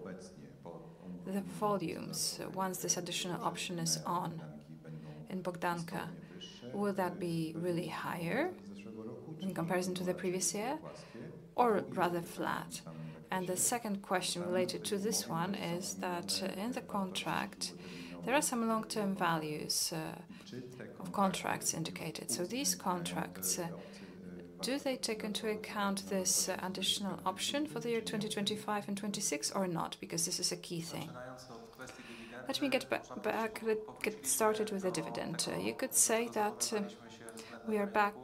the volumes, once this additional option is on in Bogdanka, be really higher in comparison to the previous year or rather flat? The second question related to this one is that in the contract, there are some long-term values of contracts indicated. Do these contracts take into account this additional option for the year 2025 and 2026 or not? Because this is a key thing. Let me get back, get started with the dividend. You could say that we are back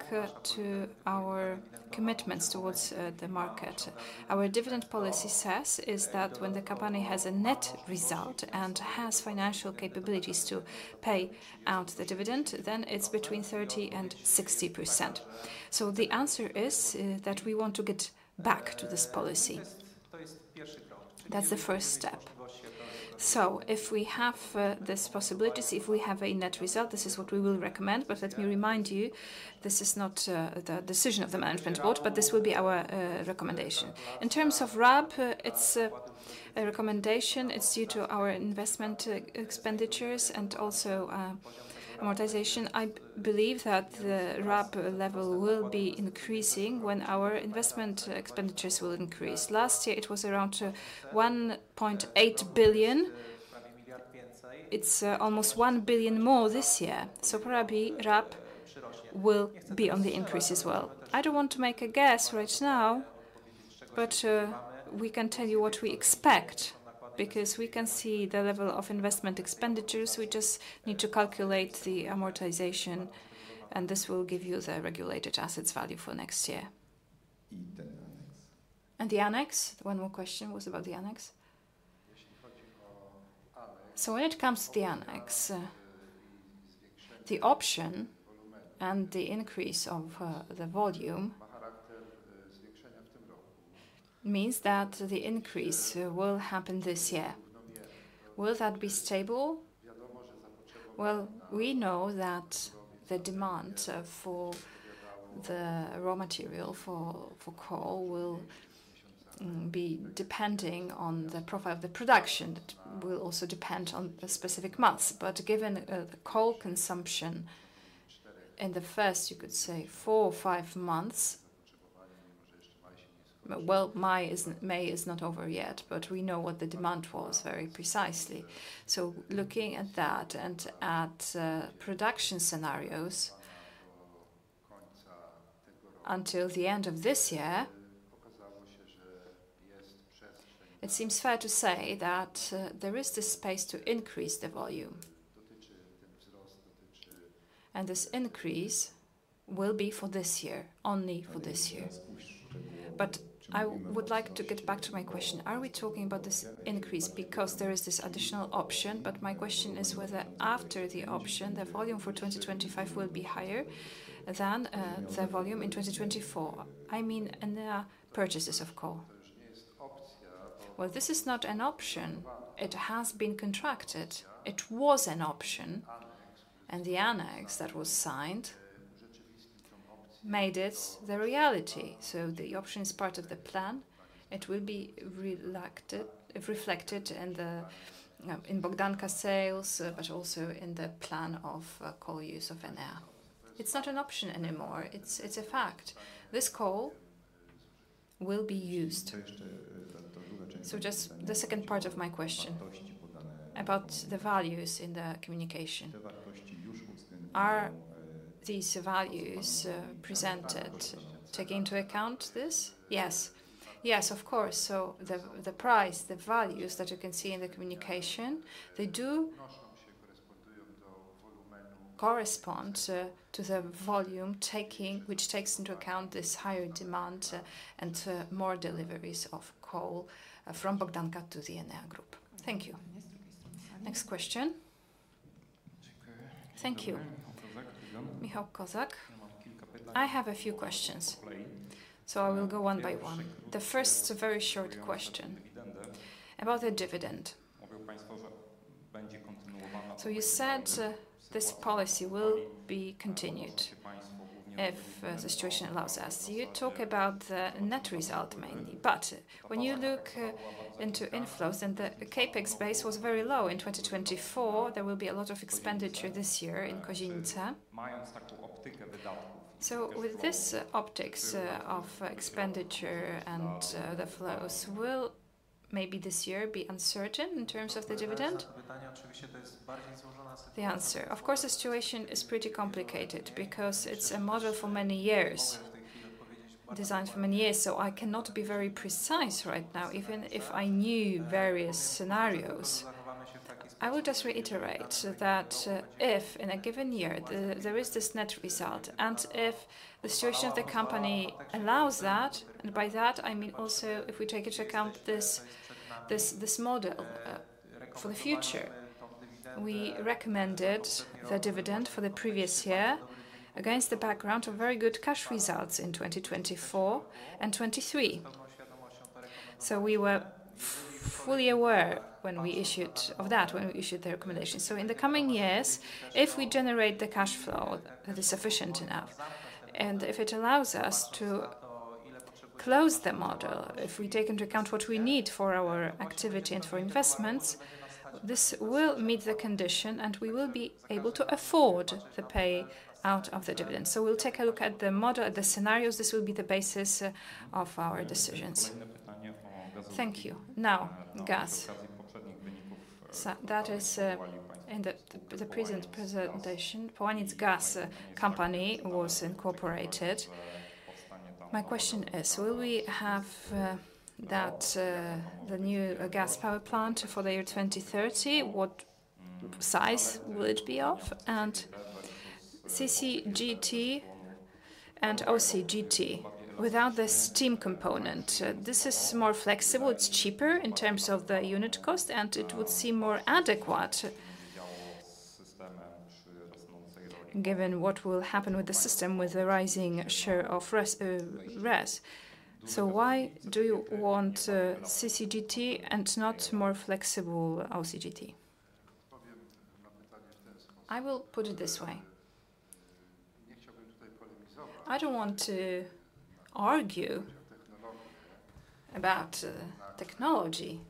to our commitments towards the market. Our dividend policy says that when the company has a net result and has financial capabilities to pay out the dividend, then it is between 30% and 60%. The answer is that we want to get back to this policy. That is the first step. If we have these possibilities, if we have a net result, this is what we will recommend. Let me remind you, this is not the decision of the Management Board, but this will be our recommendation. In terms of RAB, it is a recommendation. It is due to our investment expenditures and also amortization. I believe that the RAB level will be increasing when our investment expenditures will increase. Last year, it was around 1.8 billion. It's almost 1 billion more this year. So probably RAB will be on the increase as well. I don't want to make a guess right now, but we can tell you what we expect because we can see the level of investment expenditures. We just need to calculate the amortization, and this will give you the regulated assets value for next year. The annex, one more question was about the annex. When it comes to the annex, the option and the increase of the volume means that the increase will happen this year. Will that be stable? We know that the demand for the raw material for coal will be depending on the profile of the production. It will also depend on the specific months. Given coal consumption in the first, you could say, four or five months, May is not over yet, but we know what the demand was very precisely. Looking at that and at production scenarios until the end of this year, it seems fair to say that there is this space to increase the volume. This increase will be for this year, only for this year. I would like to get back to my question. Are we talking about this increase because there is this additional option? My question is whether after the option, the volume for 2025 will be higher than the volume in 2024. I mean, Enea purchases of coal. This is not an option. It has been contracted. It was an option, and the annex that was signed made it the reality. The option is part of the plan. It will be reflected in Bogdanka sales, but also in the plan of coal use of Enea. It's not an option anymore. It's a fact. This coal will be used. Just the second part of my question about the values in the communication. Are these values presented taking into account this? Yes. Yes, of course. The price, the values that you can see in the communication, they do correspond to the volume which takes into account this higher demand and more deliveries of coal from Bogdanka to the Enea Group. Thank you. Next question. Thank you. Michał Kozak. I have a few questions. I will go one by one. The first very short question about the dividend. You said this policy will be continued if the situation allows us. You talk about the net result mainly. When you look into inflows and the CapEx base was very low in 2024, there will be a lot of expenditure this year in Kozienice. With this optics of expenditure and the flows, will maybe this year be uncertain in terms of the dividend? The answer, of course, the situation is pretty complicated because it is a model for many years, designed for many years. I cannot be very precise right now. Even if I knew various scenarios, I will just reiterate that if in a given year there is this net result and if the situation of the company allows that, and by that I mean also if we take into account this model for the future, we recommended the dividend for the previous year against the background of very good cash results in 2024 and 2023. We were fully aware when we issued that, when we issued the recommendation. In the coming years, if we generate the cash flow that is sufficient enough, and if it allows us to close the model, if we take into account what we need for our activity and for investments, this will meet the condition and we will be able to afford the payout of the dividend. We will take a look at the model, at the scenarios. This will be the basis of our decisions. Thank you. Now, gas. That is in the present presentation. Polanic Gas Company was incorporated. My question is, will we have the new gas power plant for the year 2030, what size will it be? CCGT and OCGT, without the steam component, this is more flexible, it's cheaper in terms of the unit cost, and it would seem more adequate given what will happen with the system with the rising share of RES. Why do you want CCGT and not more flexible OCGT? I will put it this way. I don't want to argue about technology,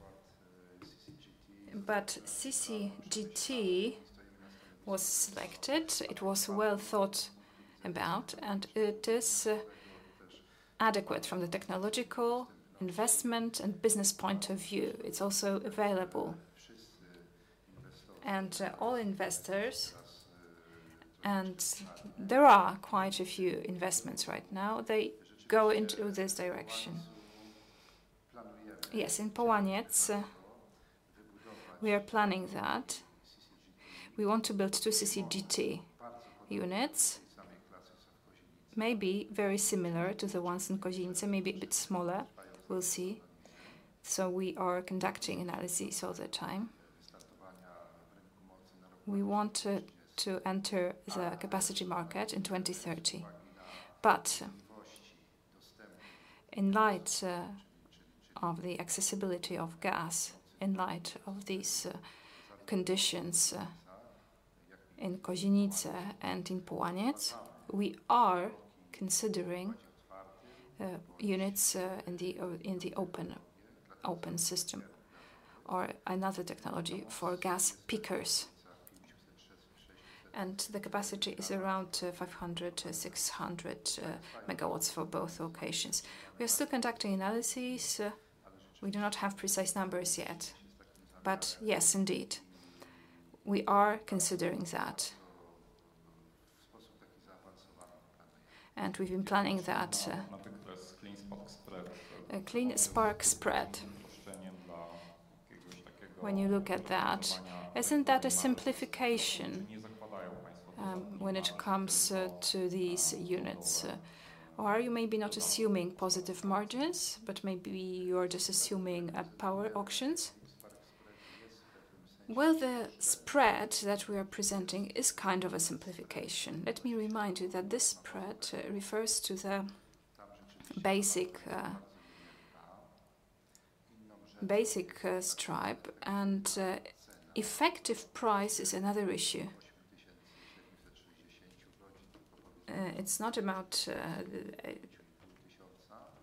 but CCGT was selected, it was well thought about, and it is adequate from the technological investment and business point of view. It's also available to all investors, and there are quite a few investments right now. They go into this direction. Yes, in Połańiec, we are planning that. We want to build two CCGT units, maybe very similar to the ones in Kozienice, maybe a bit smaller. We'll see. We are conducting analysis all the time. We want to enter the capacity market in 2030. In light of the accessibility of gas, in light of these conditions in Kozienice and in Połańiec, we are considering units in the open system, or another technology for gas pickers. The capacity is around 500-600 MW for both locations. We are still conducting analysis. We do not have precise numbers yet. Yes, indeed, we are considering that. We have been planning that. Clean Spark Spread, when you look at that, is not that a simplification when it comes to these units? Are you maybe not assuming positive margins, but maybe you are just assuming power auctions? The spread that we are presenting is kind of a simplification. Let me remind you that this spread refers to the basic stripe, and effective price is another issue. It is not about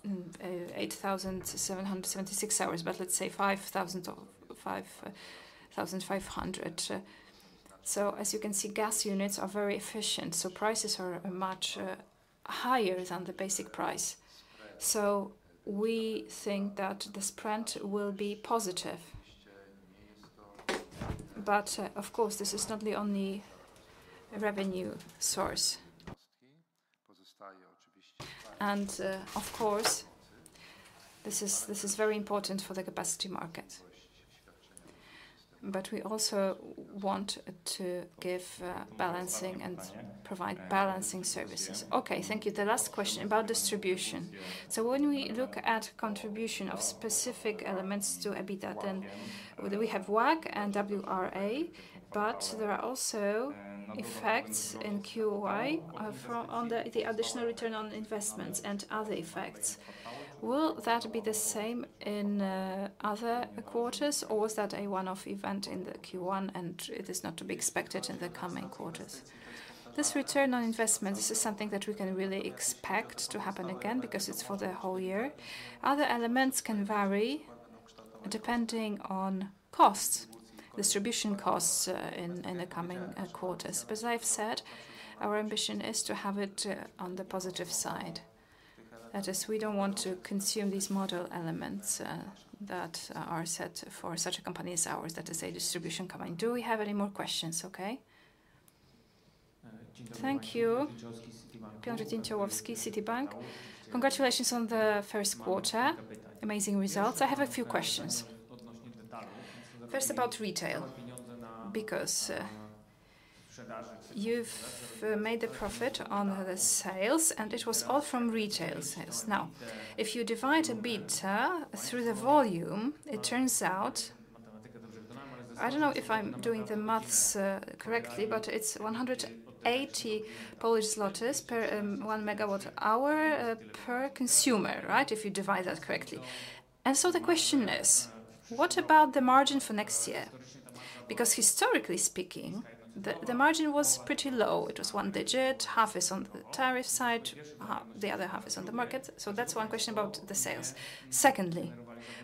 8,776 hours, but let us say 5,500. As you can see, gas units are very efficient, so prices are much higher than the basic price. We think that the spread will be positive. Of course, this is not the only revenue source. Of course, this is very important for the capacity market. We also want to give balancing and provide balancing services. Okay, thank you. The last question about distribution. When we look at contribution of specific elements to EBITDA, then we have WACC and WRA, but there are also effects in Q1 on the additional return on investments and other effects. Will that be the same in other quarters, or was that a one-off event in Q1, and it is not to be expected in the coming quarters? This return on investment, this is something that we can really expect to happen again because it is for the whole year. Other elements can vary depending on costs, distribution costs in the coming quarters. As I have said, our ambition is to have it on the positive side. That is, we do not want to consume these model elements that are set for such a company as ours, that is a distribution company. Do we have any more questions? Okay. Thank you. Piotr Dęciołowski, CitiBank. Congratulations on the first quarter. Amazing results. I have a few questions. First about retail, because you have made a profit on the sales, and it was all from retail sales. Now, if you divide EBITDA through the volume, it turns out, I do not know if I am doing the maths correctly, but it is 180 Polish zlotys per 1 MWh consumer, right? If you divide that correctly. The question is, what about the margin for next year? Because historically speaking, the margin was pretty low. It was one digit. Half is on the tariff side, the other half is on the market. That is one question about the sales. Secondly,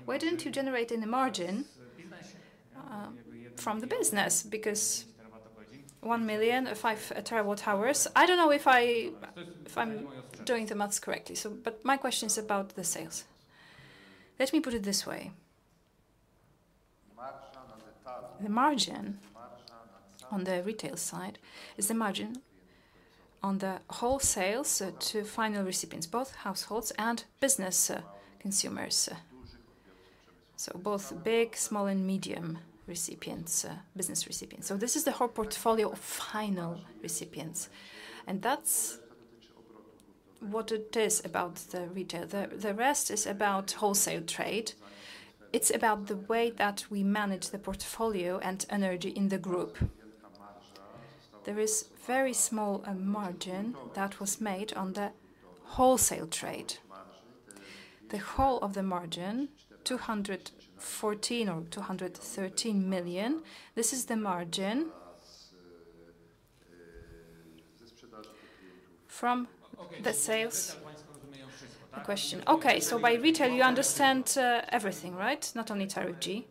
why did you not generate any margin from the business? Because 1 million, 5 TWh. I do not know if I am doing the maths correctly. My question is about the sales. Let me put it this way. The margin on the retail side is the margin on the whole sales to final recipients, both households and business consumers. Both big, small, and medium recipients, business recipients. This is the whole portfolio of final recipients. That is what it is about the retail. The rest is about wholesale trade. It is about the way that we manage the portfolio and energy in the group. There is a very small margin that was made on the wholesale trade. The whole of the margin, 214 or 213 million, this is the margin from the sales. Okay, so by retail, you understand everything, right? Not only tariff G.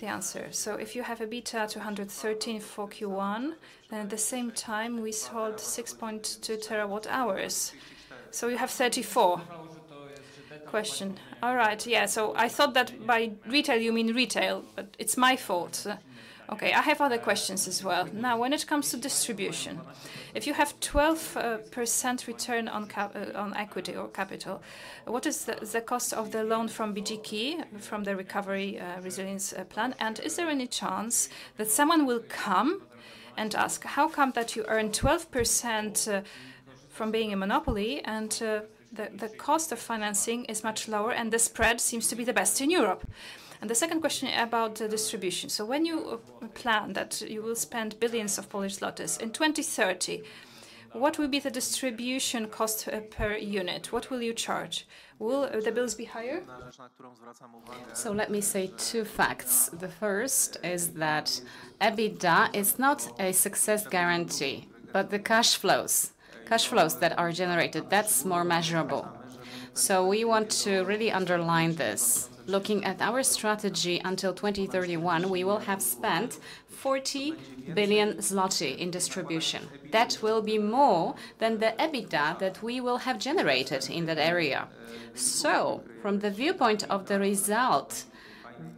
The answer. If you have EBITDA 213 for Q1, then at the same time, we sold 6.2 TWh. You have 34. Question. All right. I thought that by retail, you mean retail, but it is my fault. I have other questions as well. Now, when it comes to distribution, if you have 12% return on equity or capital, what is the cost of the loan from BGK, from the recovery resilience plan? Is there any chance that someone will come and ask, how come that you earn 12% from being a monopoly and the cost of financing is much lower and the spread seems to be the best in Europe? The second question about distribution. When you plan that you will spend billions of Polish zlotys in 2030, what will be the distribution cost per unit? What will you charge? Will the bills be higher? Let me say two facts. The first is that EBITDA is not a success guarantee, but the cash flows, cash flows that are generated, that is more measurable. We want to really underline this. Looking at our strategy until 2031, we will have spent 40 billion zloty in distribution. That will be more than the EBITDA that we will have generated in that area. From the viewpoint of the result,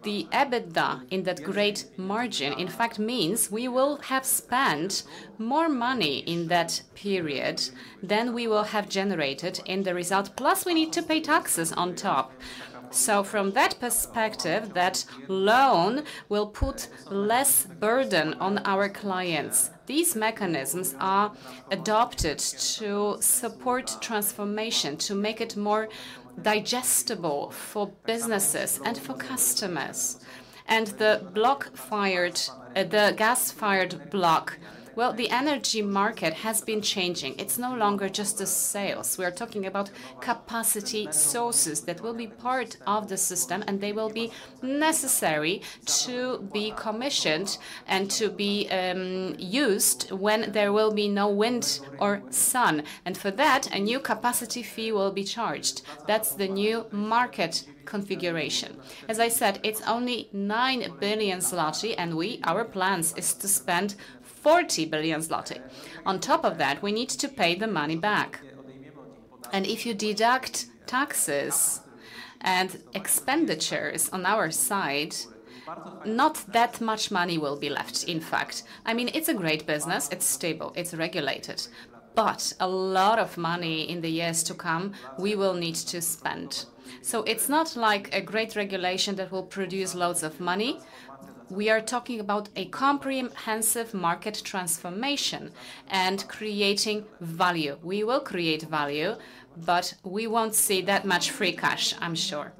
the EBITDA in that great margin, in fact, means we will have spent more money in that period than we will have generated in the result. Plus, we need to pay taxes on top. From that perspective, that loan will put less burden on our clients. These mechanisms are adopted to support transformation, to make it more digestible for businesses and for customers. The block fired, the gas fired block, the energy market has been changing. It's no longer just the sales. We are talking about capacity sources that will be part of the system, and they will be necessary to be commissioned and to be used when there will be no wind or sun. For that, a new capacity fee will be charged. That's the new market configuration. As I said, it's only 9 billion zloty, and our plan is to spend 40 billion zloty. On top of that, we need to pay the money back. If you deduct taxes and expenditures on our side, not that much money will be left, in fact. I mean, it's a great business. It's stable. It's regulated. A lot of money in the years to come, we will need to spend. It is not like a great regulation that will produce loads of money. We are talking about a comprehensive market transformation and creating value. We will create value, but we will not see that much free cash, I am sure.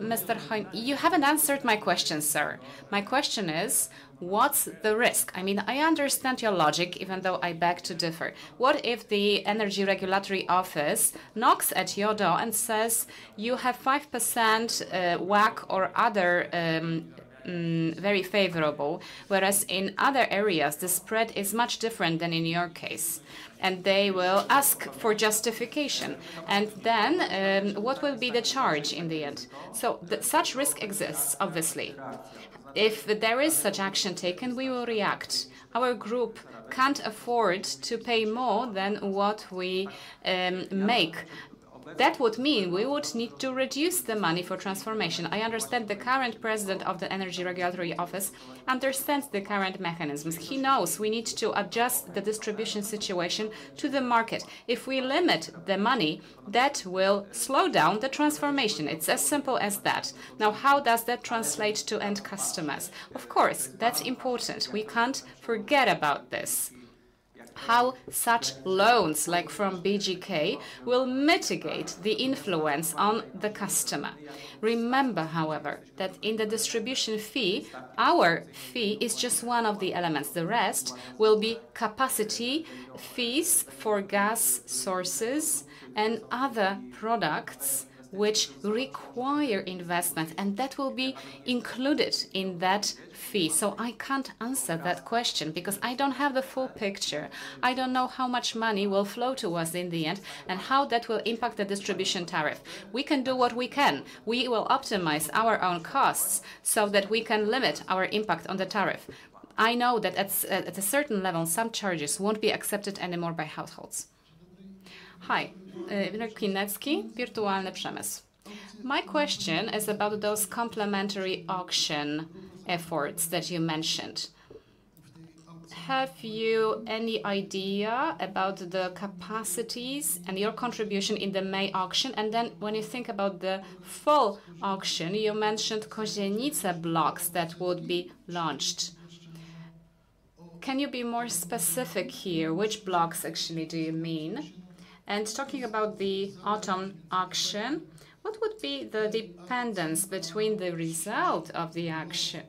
Mr. Marek, you have not answered my question, sir. My question is, what is the risk? I mean, I understand your logic, even though I beg to differ. What if the Energy Regulatory Office knocks at your door and says, you have 5% WACC or other very favorable, whereas in other areas, the spread is much different than in your case? They will ask for justification. What will be the charge in the end? Such risk exists, obviously. If there is such action taken, we will react. Our group can't afford to pay more than what we make. That would mean we would need to reduce the money for transformation. I understand the current President of the Energy Regulatory Office understands the current mechanisms. He knows we need to adjust the distribution situation to the market. If we limit the money, that will slow down the transformation. It's as simple as that. Now, how does that translate to end customers? Of course, that's important. We can't forget about this. How such loans, like from BGK, will mitigate the influence on the customer. Remember, however, that in the distribution fee, our fee is just one of the elements. The rest will be capacity fees for gas sources and other products which require investment, and that will be included in that fee. I can't answer that question because I don't have the full picture. I don't know how much money will flow to us in the end and how that will impact the distribution tariff. We can do what we can. We will optimize our own costs so that we can limit our impact on the tariff. I know that at a certain level, some charges won't be accepted anymore by households. Hi, Irina Kinecka, Virtualny Przemysł. My question is about those complementary auction efforts that you mentioned. Have you any idea about the capacities and your contribution in the May auction? When you think about the full auction, you mentioned Kozienice blocks that would be launched. Can you be more specific here? Which blocks actually do you mean? Talking about the autumn auction, what would be the dependence between the result of the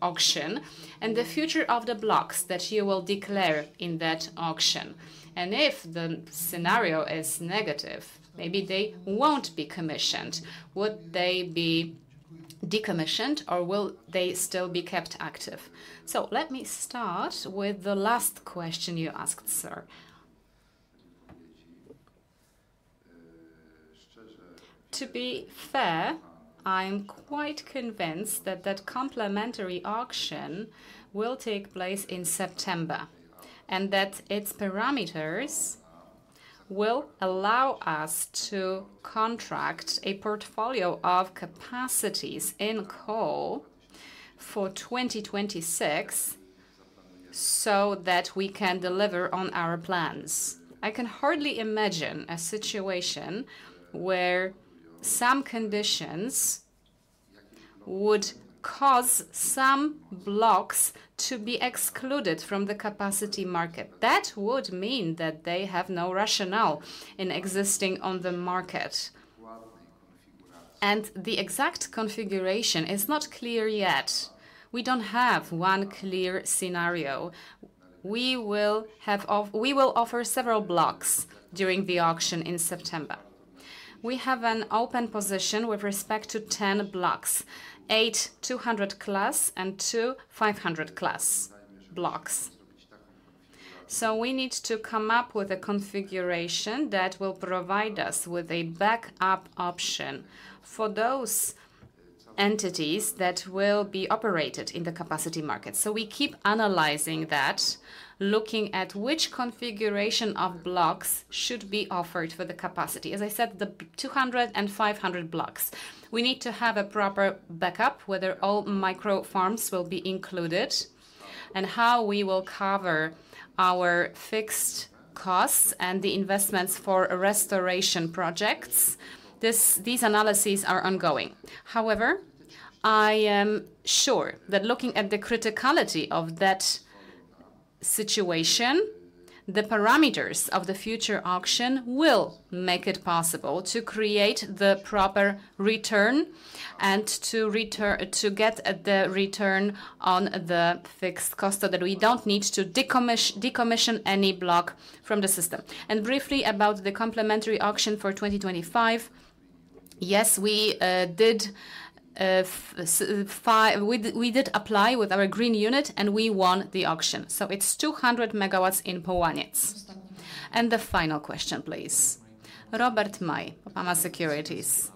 auction and the future of the blocks that you will declare in that auction? If the scenario is negative, maybe they will not be commissioned. Would they be decommissioned, or will they still be kept active? Let me start with the last question you asked, sir. To be fair, I am quite convinced that that complementary auction will take place in September and that its parameters will allow us to contract a portfolio of capacities in coal for 2026 so that we can deliver on our plans. I can hardly imagine a situation where some conditions would cause some blocks to be excluded from the capacity market. That would mean that they have no rationale in existing on the market. The exact configuration is not clear yet. We do not have one clear scenario. We will offer several blocks during the auction in September. We have an open position with respect to 10 blocks, eight 200 class and two 500 class blocks. We need to come up with a configuration that will provide us with a backup option for those entities that will be operated in the capacity market. We keep analyzing that, looking at which configuration of blocks should be offered for the capacity. As I said, the 200 and 500 blocks. We need to have a proper backup, whether all micro farms will be included and how we will cover our fixed costs and the investments for restoration projects. These analyses are ongoing. However, I am sure that looking at the criticality of that situation, the parameters of the future auction will make it possible to create the proper return and to get the return on the fixed cost so that we do not need to decommission any block from the system. Briefly about the complementary auction for 2025, yes, we did apply with our green unit and we won the auction. It is 200 MW in Połańiec. The final question, please. Robert Maj, IPOPEMA Securities.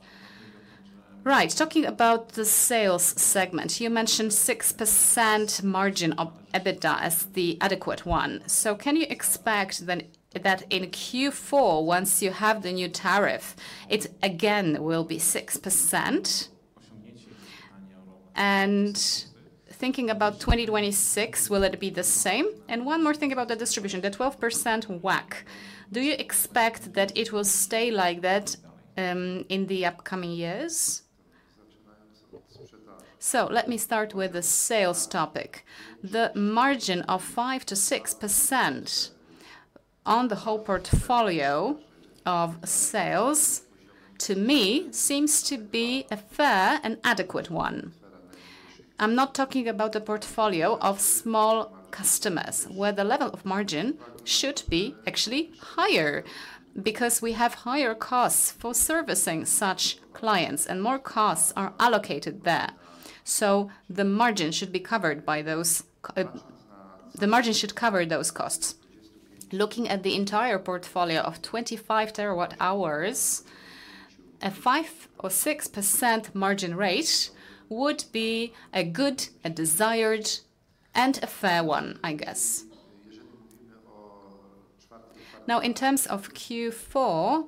Right, talking about the sales segment, you mentioned 6% margin of EBITDA as the adequate one. Can you expect then that in Q4, once you have the new tariff, it again will be 6%? Thinking about 2026, will it be the same? One more thing about the distribution, the 12% WACC. Do you expect that it will stay like that in the upcoming years? Let me start with the sales topic. The margin of 5-6% on the whole portfolio of sales, to me, seems to be a fair and adequate one. I'm not talking about the portfolio of small customers, where the level of margin should be actually higher because we have higher costs for servicing such clients and more costs are allocated there. So the margin should be covered by those costs. Looking at the entire portfolio of 25 TWh, a 5% or 6% margin rate would be a good, a desired, and a fair one, I guess. Now, in terms of Q4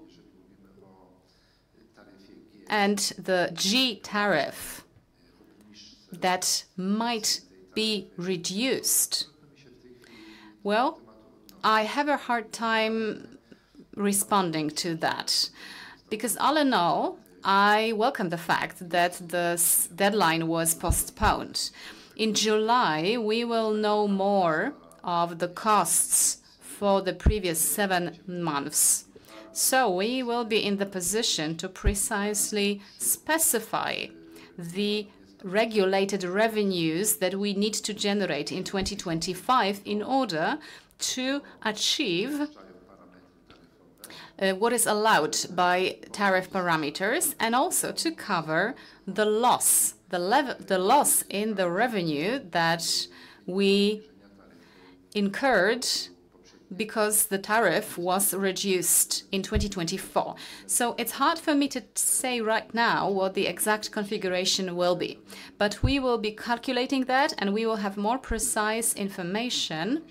and the G tariff, that might be reduced, I have a hard time responding to that because all in all, I welcome the fact that the deadline was postponed. In July, we will know more of the costs for the previous seven months. We will be in the position to precisely specify the regulated revenues that we need to generate in 2025 in order to achieve what is allowed by tariff parameters and also to cover the loss, the loss in the revenue that we incurred because the tariff was reduced in 2024. It's hard for me to say right now what the exact configuration will be, but we will be calculating that and we will have more precise information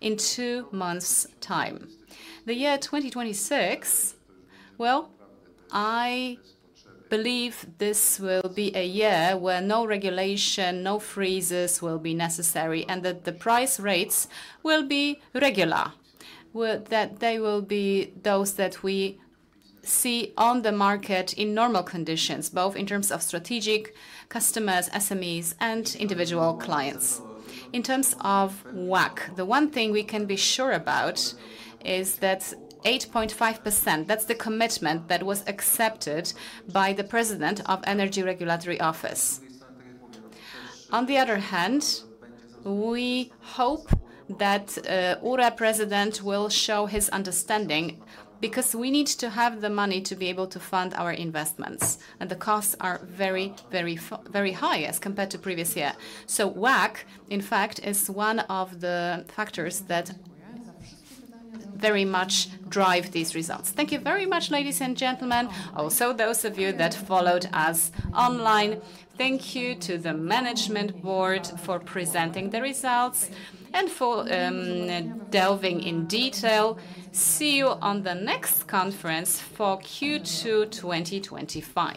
in two months' time. The year 2026, I believe this will be a year where no regulation, no freezes will be necessary and that the price rates will be regular, that they will be those that we see on the market in normal conditions, both in terms of strategic customers, SMEs, and individual clients. In terms of WACC, the one thing we can be sure about is that 8.5%, that's the commitment that was accepted by the President of the Energy Regulatory Office. On the other hand, we hope that URE President will show his understanding because we need to have the money to be able to fund our investments, and the costs are very, very, very high as compared to previous years. So WACC, in fact, is one of the factors that very much drive these results. Thank you very much, ladies and gentlemen, also those of you that followed us online. Thank you to the Management Board for presenting the results and for delving in detail. See you on the next conference for Q2 2025.